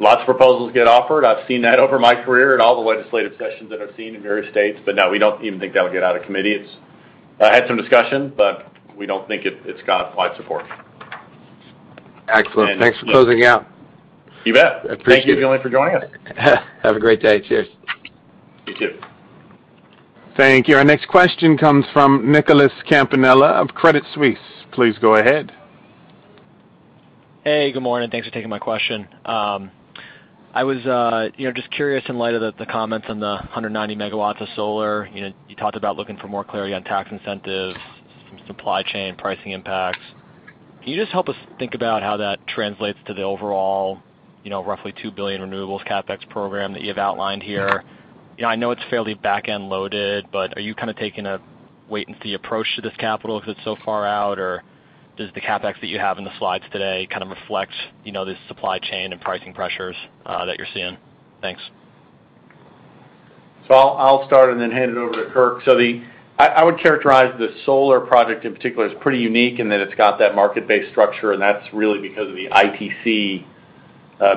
lots of proposals get offered. I've seen that over my career in all the legislative sessions that I've seen in various states. No, we don't even think that'll get out of committee. It's had some discussion, but we don't think it's got wide support. Excellent. Thanks for closing out. You bet. Appreciate it. Thank you, Julien, for joining us. Have a great day. Cheers. You too. Thank you. Our next question comes from Nicholas Campanella of Credit Suisse. Please go ahead. Hey. Good morning. Thanks for taking my question. I was, you know, just curious in light of the comments on the 190 MW of solar. You know, you talked about looking for more clarity on tax incentives, some supply chain pricing impacts. Can you just help us think about how that translates to the overall, you know, roughly $2 billion renewables CapEx program that you have outlined here? You know, I know it's fairly back-end loaded, but are you kind of taking a wait and see approach to this capital 'cause it's so far out, or does the CapEx that you have in the slides today kind of reflect, you know, the supply chain and pricing pressures that you're seeing? Thanks. I'll start and then hand it over to Kirk. I would characterize the solar project in particular as pretty unique in that it's got that market-based structure, and that's really because of the ITC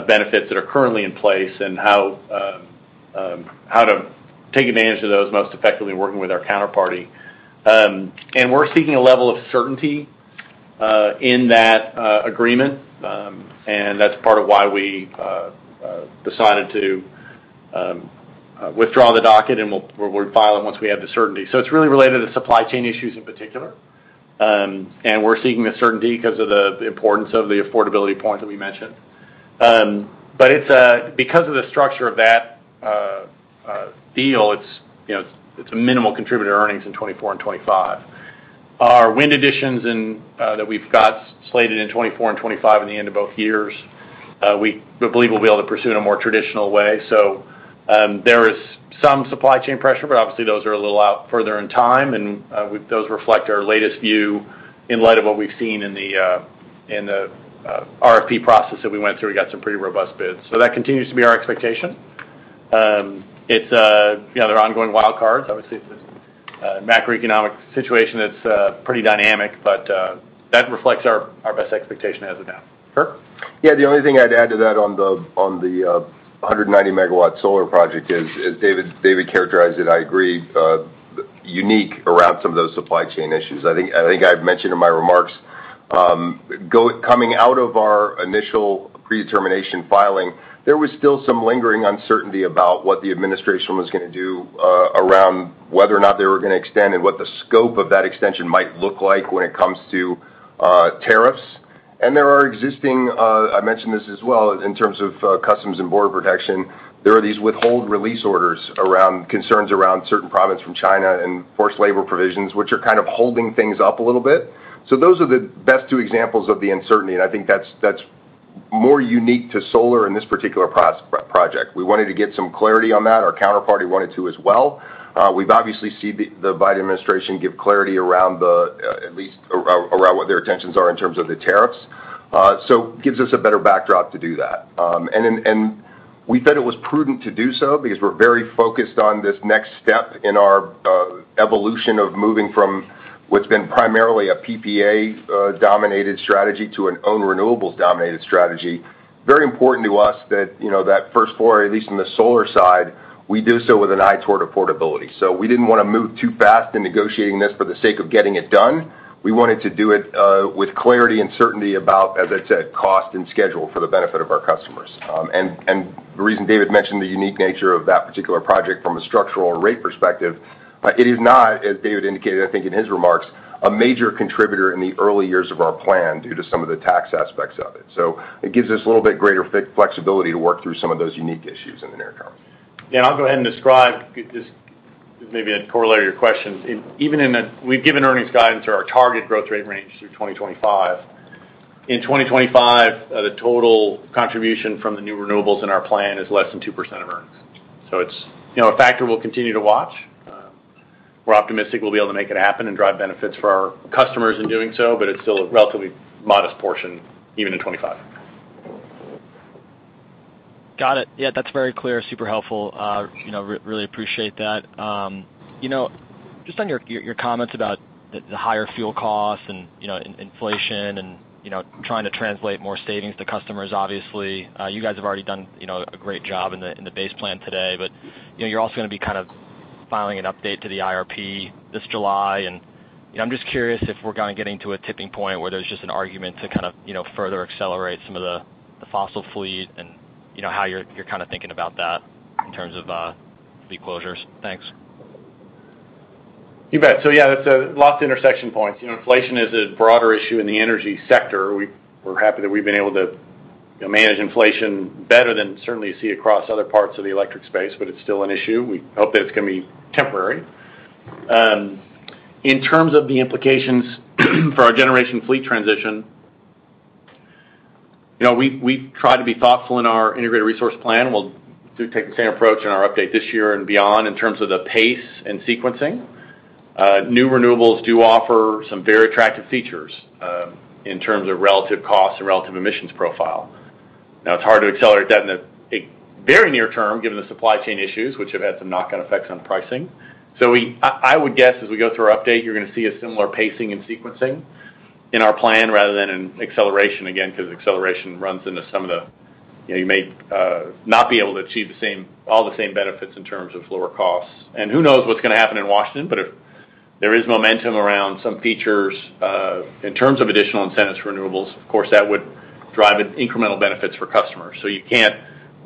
benefits that are currently in place and how to take advantage of those most effectively working with our counterparty. And we're seeking a level of certainty in that agreement. And that's part of why we decided to withdraw the docket, and we'll refile it once we have the certainty. It's really related to supply chain issues in particular. And we're seeking the certainty 'cause of the importance of the affordability point that we mentioned. It's because of the structure of that deal, it's a minimal contributor to earnings in 2024 and 2025. Our wind additions that we've got slated in 2024 and 2025 in the end of both years, we believe we'll be able to pursue in a more traditional way. There is some supply chain pressure, but obviously those are a little out further in time, and those reflect our latest view. In light of what we've seen in the RFP process that we went through, we got some pretty robust bids. That continues to be our expectation. It's, you know, there are ongoing wild cards, obviously, it's a macroeconomic situation that's pretty dynamic, but that reflects our best expectation as of now. Kirk? Yeah. The only thing I'd add to that on the 190 MW solar project is, as David characterized it, I agree, unique around some of those supply chain issues. I think I've mentioned in my remarks, coming out of our initial predetermination filing, there was still some lingering uncertainty about what the administration was gonna do, around whether or not they were gonna extend and what the scope of that extension might look like when it comes to tariffs. There are existing. I mentioned this as well, in terms of Customs and Border Protection, there are these withhold release orders around concerns around certain products from China and forced labor provisions, which are kind of holding things up a little bit. Those are the best two examples of the uncertainty, and I think that's more unique to solar in this particular project. We wanted to get some clarity on that. Our counterparty wanted to as well. We've obviously seen the Biden administration give clarity around at least what their intentions are in terms of the tariffs. Gives us a better backdrop to do that. We thought it was prudent to do so because we're very focused on this next step in our evolution of moving from what's been primarily a PPA dominated strategy to an own renewables dominated strategy. Very important to us that, you know, that first foray, at least from the solar side, we do so with an eye toward affordability. We didn't wanna move too fast in negotiating this for the sake of getting it done. We wanted to do it with clarity and certainty about, as I said, cost and schedule for the benefit of our customers. The reason David mentioned the unique nature of that particular project from a structural and rate perspective, it is not, as David indicated, I think in his remarks, a major contributor in the early years of our plan due to some of the tax aspects of it. It gives us a little bit greater flexibility to work through some of those unique issues in the near term. Yeah, I'll go ahead and describe this, maybe to correlate your question. We've given earnings guidance or our target growth rate range through 2025. In 2025, the total contribution from the new renewables in our plan is less than 2% of earnings. So it's, you know, a factor we'll continue to watch. We're optimistic we'll be able to make it happen and drive benefits for our customers in doing so, but it's still a relatively modest portion even in 2025. Got it. Yeah, that's very clear. Super helpful. You know, really appreciate that. You know, just on your comments about the higher fuel costs and, you know, inflation and, you know, trying to translate more savings to customers, obviously, you guys have already done, you know, a great job in the base plan today. You know, you're also gonna be kind of filing an update to the IRP this July. You know, I'm just curious if we're kinda getting to a tipping point where there's just an argument to kind of, you know, further accelerate some of the fossil fleet and, you know, how you're kinda thinking about that in terms of fleet closures. Thanks. You bet. Yeah, that's lots of intersection points. You know, inflation is a broader issue in the energy sector. We're happy that we've been able to, you know, manage inflation better than certainly you see across other parts of the electric space, but it's still an issue. We hope that it's gonna be temporary. In terms of the implications for our generation fleet transition, you know, we try to be thoughtful in our integrated resource plan. We'll do take the same approach in our update this year and beyond in terms of the pace and sequencing. New renewables do offer some very attractive features in terms of relative cost and relative emissions profile. Now it's hard to accelerate that in a very near term given the supply chain issues which have had some knock-on effects on pricing. I would guess as we go through our update, you're gonna see a similar pacing and sequencing in our plan rather than an acceleration, again, 'cause acceleration runs into some of the, you know, you may not be able to achieve the same, all the same benefits in terms of lower costs. Who knows what's gonna happen in Washington? If there is momentum around some features in terms of additional incentives for renewables, of course, that would drive incremental benefits for customers. You can't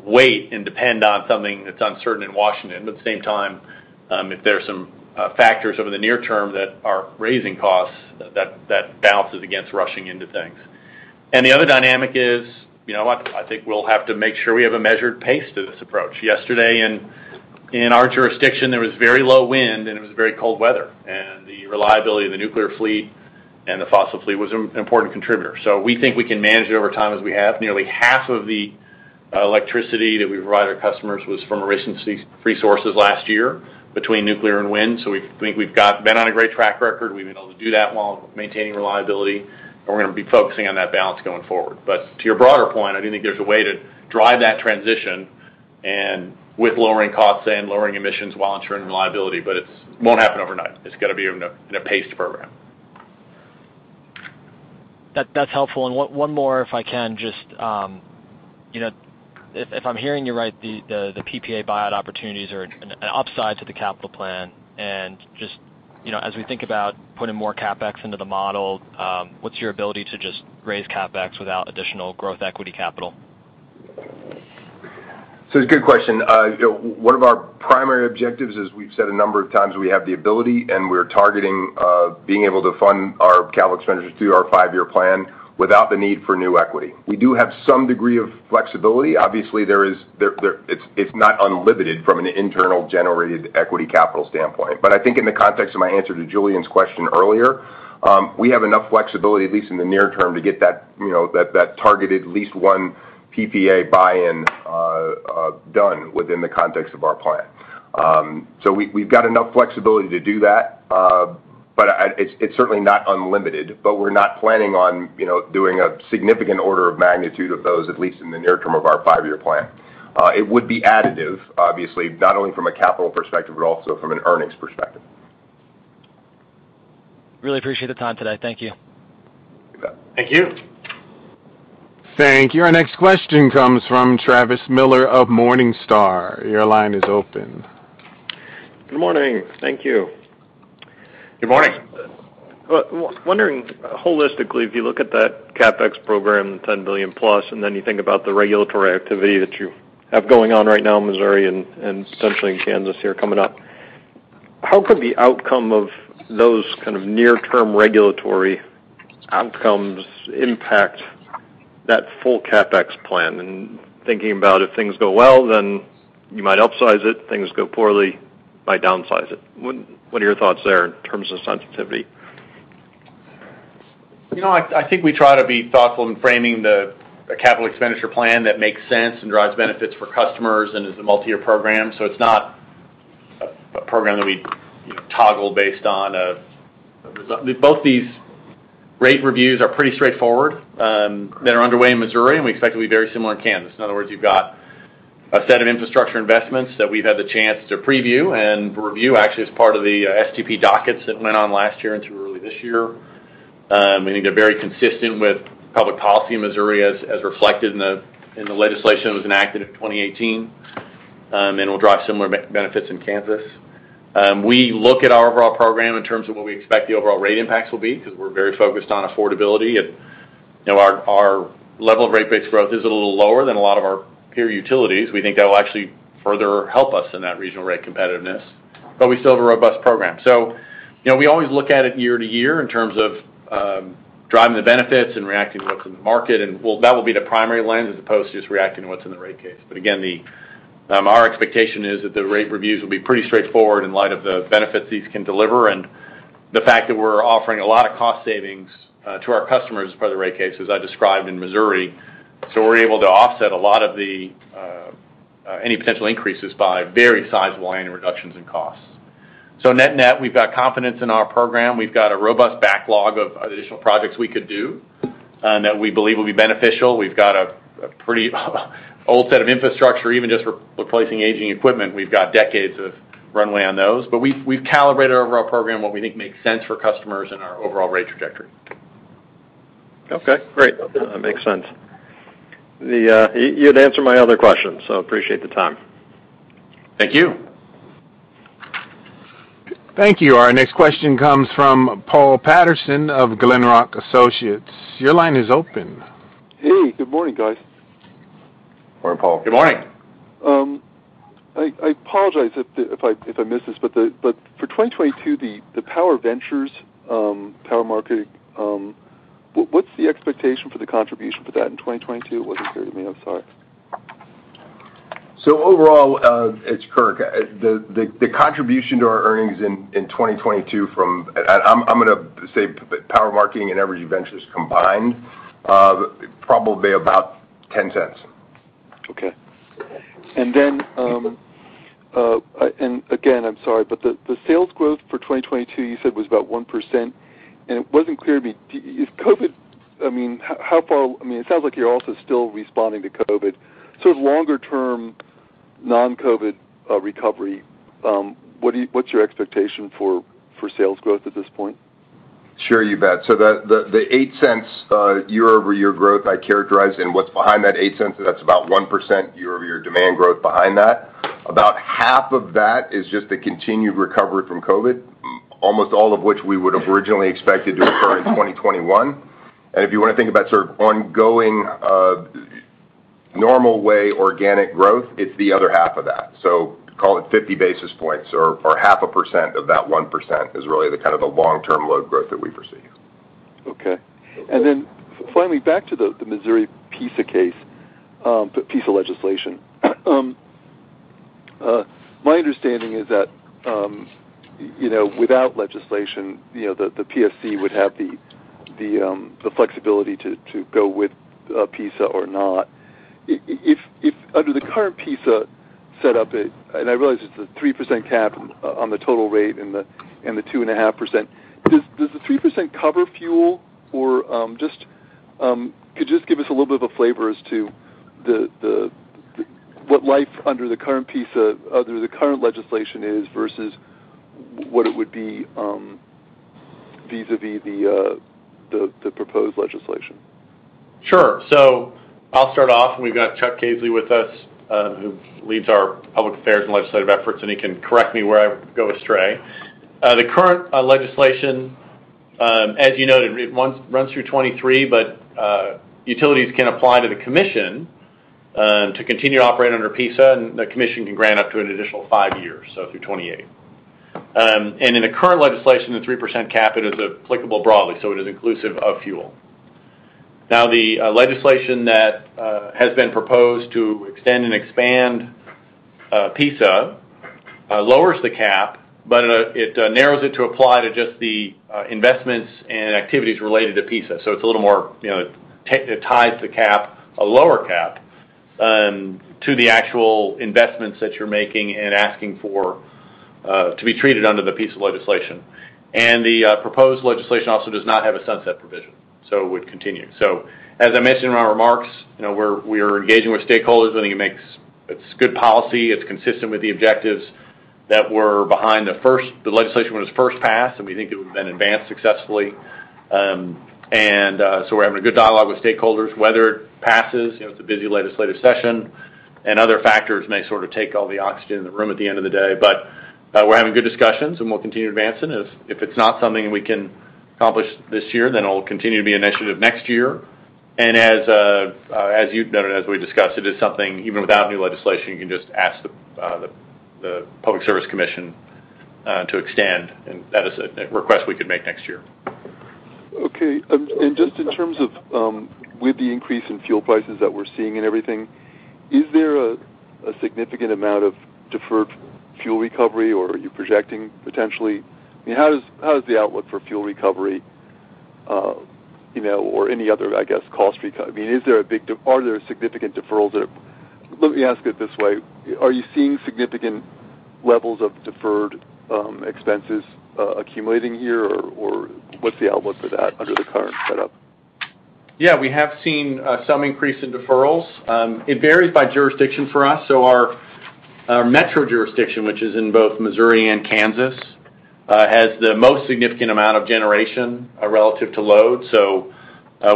wait and depend on something that's uncertain in Washington. At the same time, if there's some factors over the near term that are raising costs, that balances against rushing into things. The other dynamic is, you know, I think we'll have to make sure we have a measured pace to this approach. Yesterday in our jurisdiction, there was very low wind, and it was very cold weather, and the reliability of the nuclear fleet and the fossil fleet was an important contributor. We think we can manage it over time as we have. Nearly half of the electricity that we provide our customers was from emission-free sources last year between nuclear and wind. We think we've been on a great track record. We've been able to do that while maintaining reliability, and we're gonna be focusing on that balance going forward. To your broader point, I do think there's a way to drive that transition and with lowering costs and lowering emissions while ensuring reliability, but it won't happen overnight. It's gotta be in a paced program. That's helpful. One more if I can just, you know, if I'm hearing you right, the PPA buyout opportunities are an upside to the capital plan and just, you know, as we think about putting more CapEx into the model, what's your ability to just raise CapEx without additional growth equity capital? It's a good question. You know, one of our primary objectives, as we've said a number of times, we have the ability and we're targeting being able to fund our capital expenditures through our five-year plan without the need for new equity. We do have some degree of flexibility. Obviously, it's not unlimited from an internally generated equity capital standpoint. But I think in the context of my answer to Julien's question earlier, we have enough flexibility, at least in the near term, to get that targeted at least one PPA buy-in. Within the context of our plan. We’ve got enough flexibility to do that, but it’s certainly not unlimited. We’re not planning on, you know, doing a significant order of magnitude of those, at least in the near term of our five-year plan. It would be additive, obviously, not only from a capital perspective, but also from an earnings perspective. Really appreciate the time today. Thank you. You bet. Thank you. Thank you. Our next question comes from Travis Miller of Morningstar. Your line is open. Good morning. Thank you. Good morning. Well, wondering holistically, if you look at that CapEx program, $10 billion+, and then you think about the regulatory activity that you have going on right now in Missouri and potentially in Kansas here coming up, how could the outcome of those kinds of near-term regulatory outcomes impact that full CapEx plan? Thinking about if things go well, then you might upsize it, things go poorly, might downsize it. What are your thoughts there in terms of sensitivity? You know, I think we try to be thoughtful in framing the capital expenditure plan that makes sense and drives benefits for customers and is a multi-year program, so it's not a program that we, you know, toggle. Both these rate reviews are pretty straightforward that are underway in Missouri, and we expect it'll be very similar in Kansas. In other words, you've got a set of infrastructure investments that we've had the chance to preview and review, actually, as part of the STP dockets that went on last year and through early this year. We think they're very consistent with public policy in Missouri as reflected in the legislation that was enacted in 2018, and will drive similar benefits in Kansas. We look at our overall program in terms of what we expect the overall rate impacts will be 'cause we're very focused on affordability and, you know, our level of rate base growth is a little lower than a lot of our peer utilities. We think that will actually further help us in that regional rate competitiveness, but we still have a robust program. You know, we always look at it year to year in terms of driving the benefits and reacting to what's in the market. Well, that will be the primary lens as opposed to just reacting to what's in the rate case. Again, our expectation is that the rate reviews will be pretty straightforward in light of the benefits these can deliver and the fact that we're offering a lot of cost savings to our customers for the rate case, as I described in Missouri. We're able to offset a lot of the any potential increases by very sizable annual reductions in costs. Net-net, we've got confidence in our program. We've got a robust backlog of additional projects we could do and that we believe will be beneficial. We've got a pretty old set of infrastructure, even just replacing aging equipment, we've got decades of runway on those. We've calibrated our overall program what we think makes sense for customers and our overall rate trajectory. Okay, great. That makes sense. You had answered my other question, so I appreciate the time. Thank you. Thank you. Our next question comes from Paul Patterson of Glenrock Associates. Your line is open. Hey, good morning, guys. Morning, Paul. Good morning. I apologize if I missed this, but for 2022, the Evergy Ventures, Power Marketing, what's the expectation for the contribution for that in 2022? It wasn't clear to me. I'm sorry. Overall, it's Kirk. The contribution to our earnings in 2022 from Power Marketing and Evergy Ventures combined, and I'm gonna say the power working in every event is combined, probably about $0.10. Okay. Then, and again, I'm sorry, but the sales growth for 2022 you said was about 1%, and it wasn't clear to me. I mean, it sounds like you're also still responding to COVID. Longer-term, non-COVID recovery, what's your expectation for sales growth at this point? Sure, you bet. The $0.08 year-over-year growth I characterized, and what's behind that $0.08, that's about 1% year-over-year demand growth behind that. About half of that is just the continued recovery from COVID, almost all of which we would have originally expected to occur in 2021. If you wanna think about sort of ongoing normal way organic growth, it's the other half of that. Call it 50 basis points or 0.5% of that 1% is really the kind of long-term load growth that we foresee. Okay. Finally, back to the Missouri PISA case, PISA legislation. My understanding is that, you know, without legislation, you know, the PSC would have the flexibility to go with PISA or not. If under the current PISA set up, and I realize it's a 3% cap on the total rate and the 2.5%. Does the 3% cover fuel or just could you just give us a little bit of a flavor as to the what life under the current PISA, under the current legislation is versus what it would be vis-à-vis the proposed legislation? Sure. I'll start off, and we've got Chuck Caisley with us, who leads our public affairs and legislative efforts, and he can correct me where I go astray. The current legislation, as you noted, it runs through 2023, but utilities can apply to the commission to continue to operate under PISA, and the commission can grant up to an additional five years, through 2028. In the current legislation, the 3% cap, it is applicable broadly, so it is inclusive of fuel. Now, the legislation that has been proposed to extend and expand PISA lowers the cap, but it narrows it to apply to just the investments and activities related to PISA. It's a little more, you know, it ties the cap, a lower cap, to the actual investments that you're making and asking for, to be treated under the piece of legislation. The proposed legislation also does not have a sunset provision, so it would continue. As I mentioned in my remarks, you know, we are engaging with stakeholders. I think it's good policy, it's consistent with the objectives that were behind the legislation when it was first passed, and we think it would then advance successfully. We're having a good dialogue with stakeholders. Whether it passes, you know, it's a busy legislative session, and other factors may sort of take all the oxygen in the room at the end of the day. We're having good discussions, and we'll continue advancing. If it's not something we can accomplish this year, then it'll continue to be an initiative next year. As you've noted, as we discussed, it is something, even without new legislation, you can just ask the Public Service Commission to extend, and that is a request we could make next year. Okay. Just in terms of with the increase in fuel prices that we're seeing and everything, is there a significant amount of deferred fuel recovery, or are you projecting potentially? I mean, how does the outlook for fuel recovery you know, or any other, I guess, cost recovery, I mean, are there significant deferrals that. Let me ask it this way. Are you seeing significant levels of deferred expenses accumulating here, or what's the outlook for that under the current setup? Yeah, we have seen some increase in deferrals. It varies by jurisdiction for us. Our metro jurisdiction, which is in both Missouri and Kansas, has the most significant amount of generation relative to load.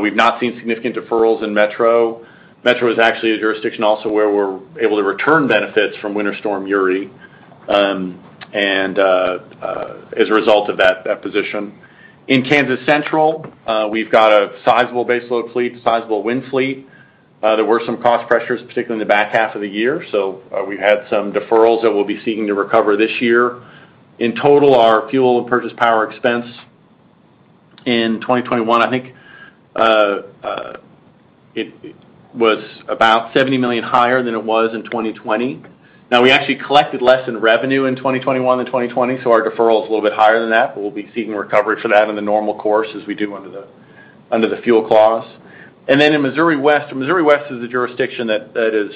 We've not seen significant deferrals in metro. Metro is actually a jurisdiction also where we're able to return benefits from Winter Storm Uri and as a result of that position. In Kansas Central, we've got a sizable base load fleet, sizable wind fleet. There were some cost pressures, particularly in the back half of the year, so we've had some deferrals that we'll be seeking to recover this year. In total, our fuel and purchased power expense in 2021, I think, it was about $70 million higher than it was in 2020. Now we actually collected less in revenue in 2021 than 2020, so our deferral is a little bit higher than that, but we'll be seeking recovery for that in the normal course as we do under the fuel clause. In Missouri West is a jurisdiction that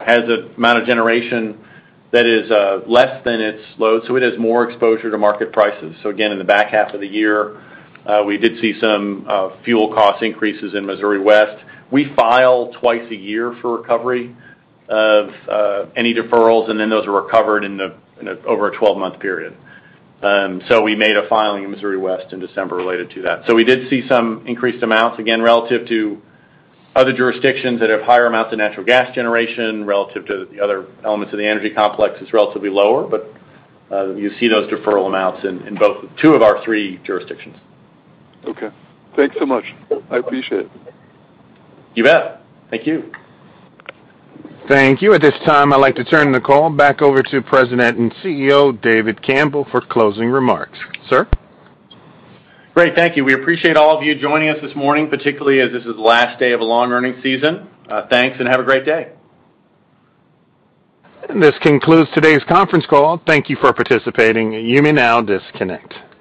has an amount of generation that is less than its load, so it has more exposure to market prices. Again, in the back half of the year, we did see some fuel cost increases in Missouri West. We file twice a year for recovery of any deferrals, and then those are recovered over a 12-month period. We made a filing in Missouri West in December related to that. We did see some increased amounts, again, relative to other jurisdictions that have higher amounts of natural gas generation relative to the other elements of the energy complex. It's relatively lower, but you see those deferral amounts in two of our three jurisdictions. Okay. Thanks so much. I appreciate it. You bet. Thank you. Thank you. At this time, I'd like to turn the call back over to President and CEO David Campbell for closing remarks. Sir? Great. Thank you. We appreciate all of you joining us this morning, particularly as this is the last day of a long earnings season. Thanks, and have a great day. This concludes today's conference call. Thank you for participating. You may now disconnect.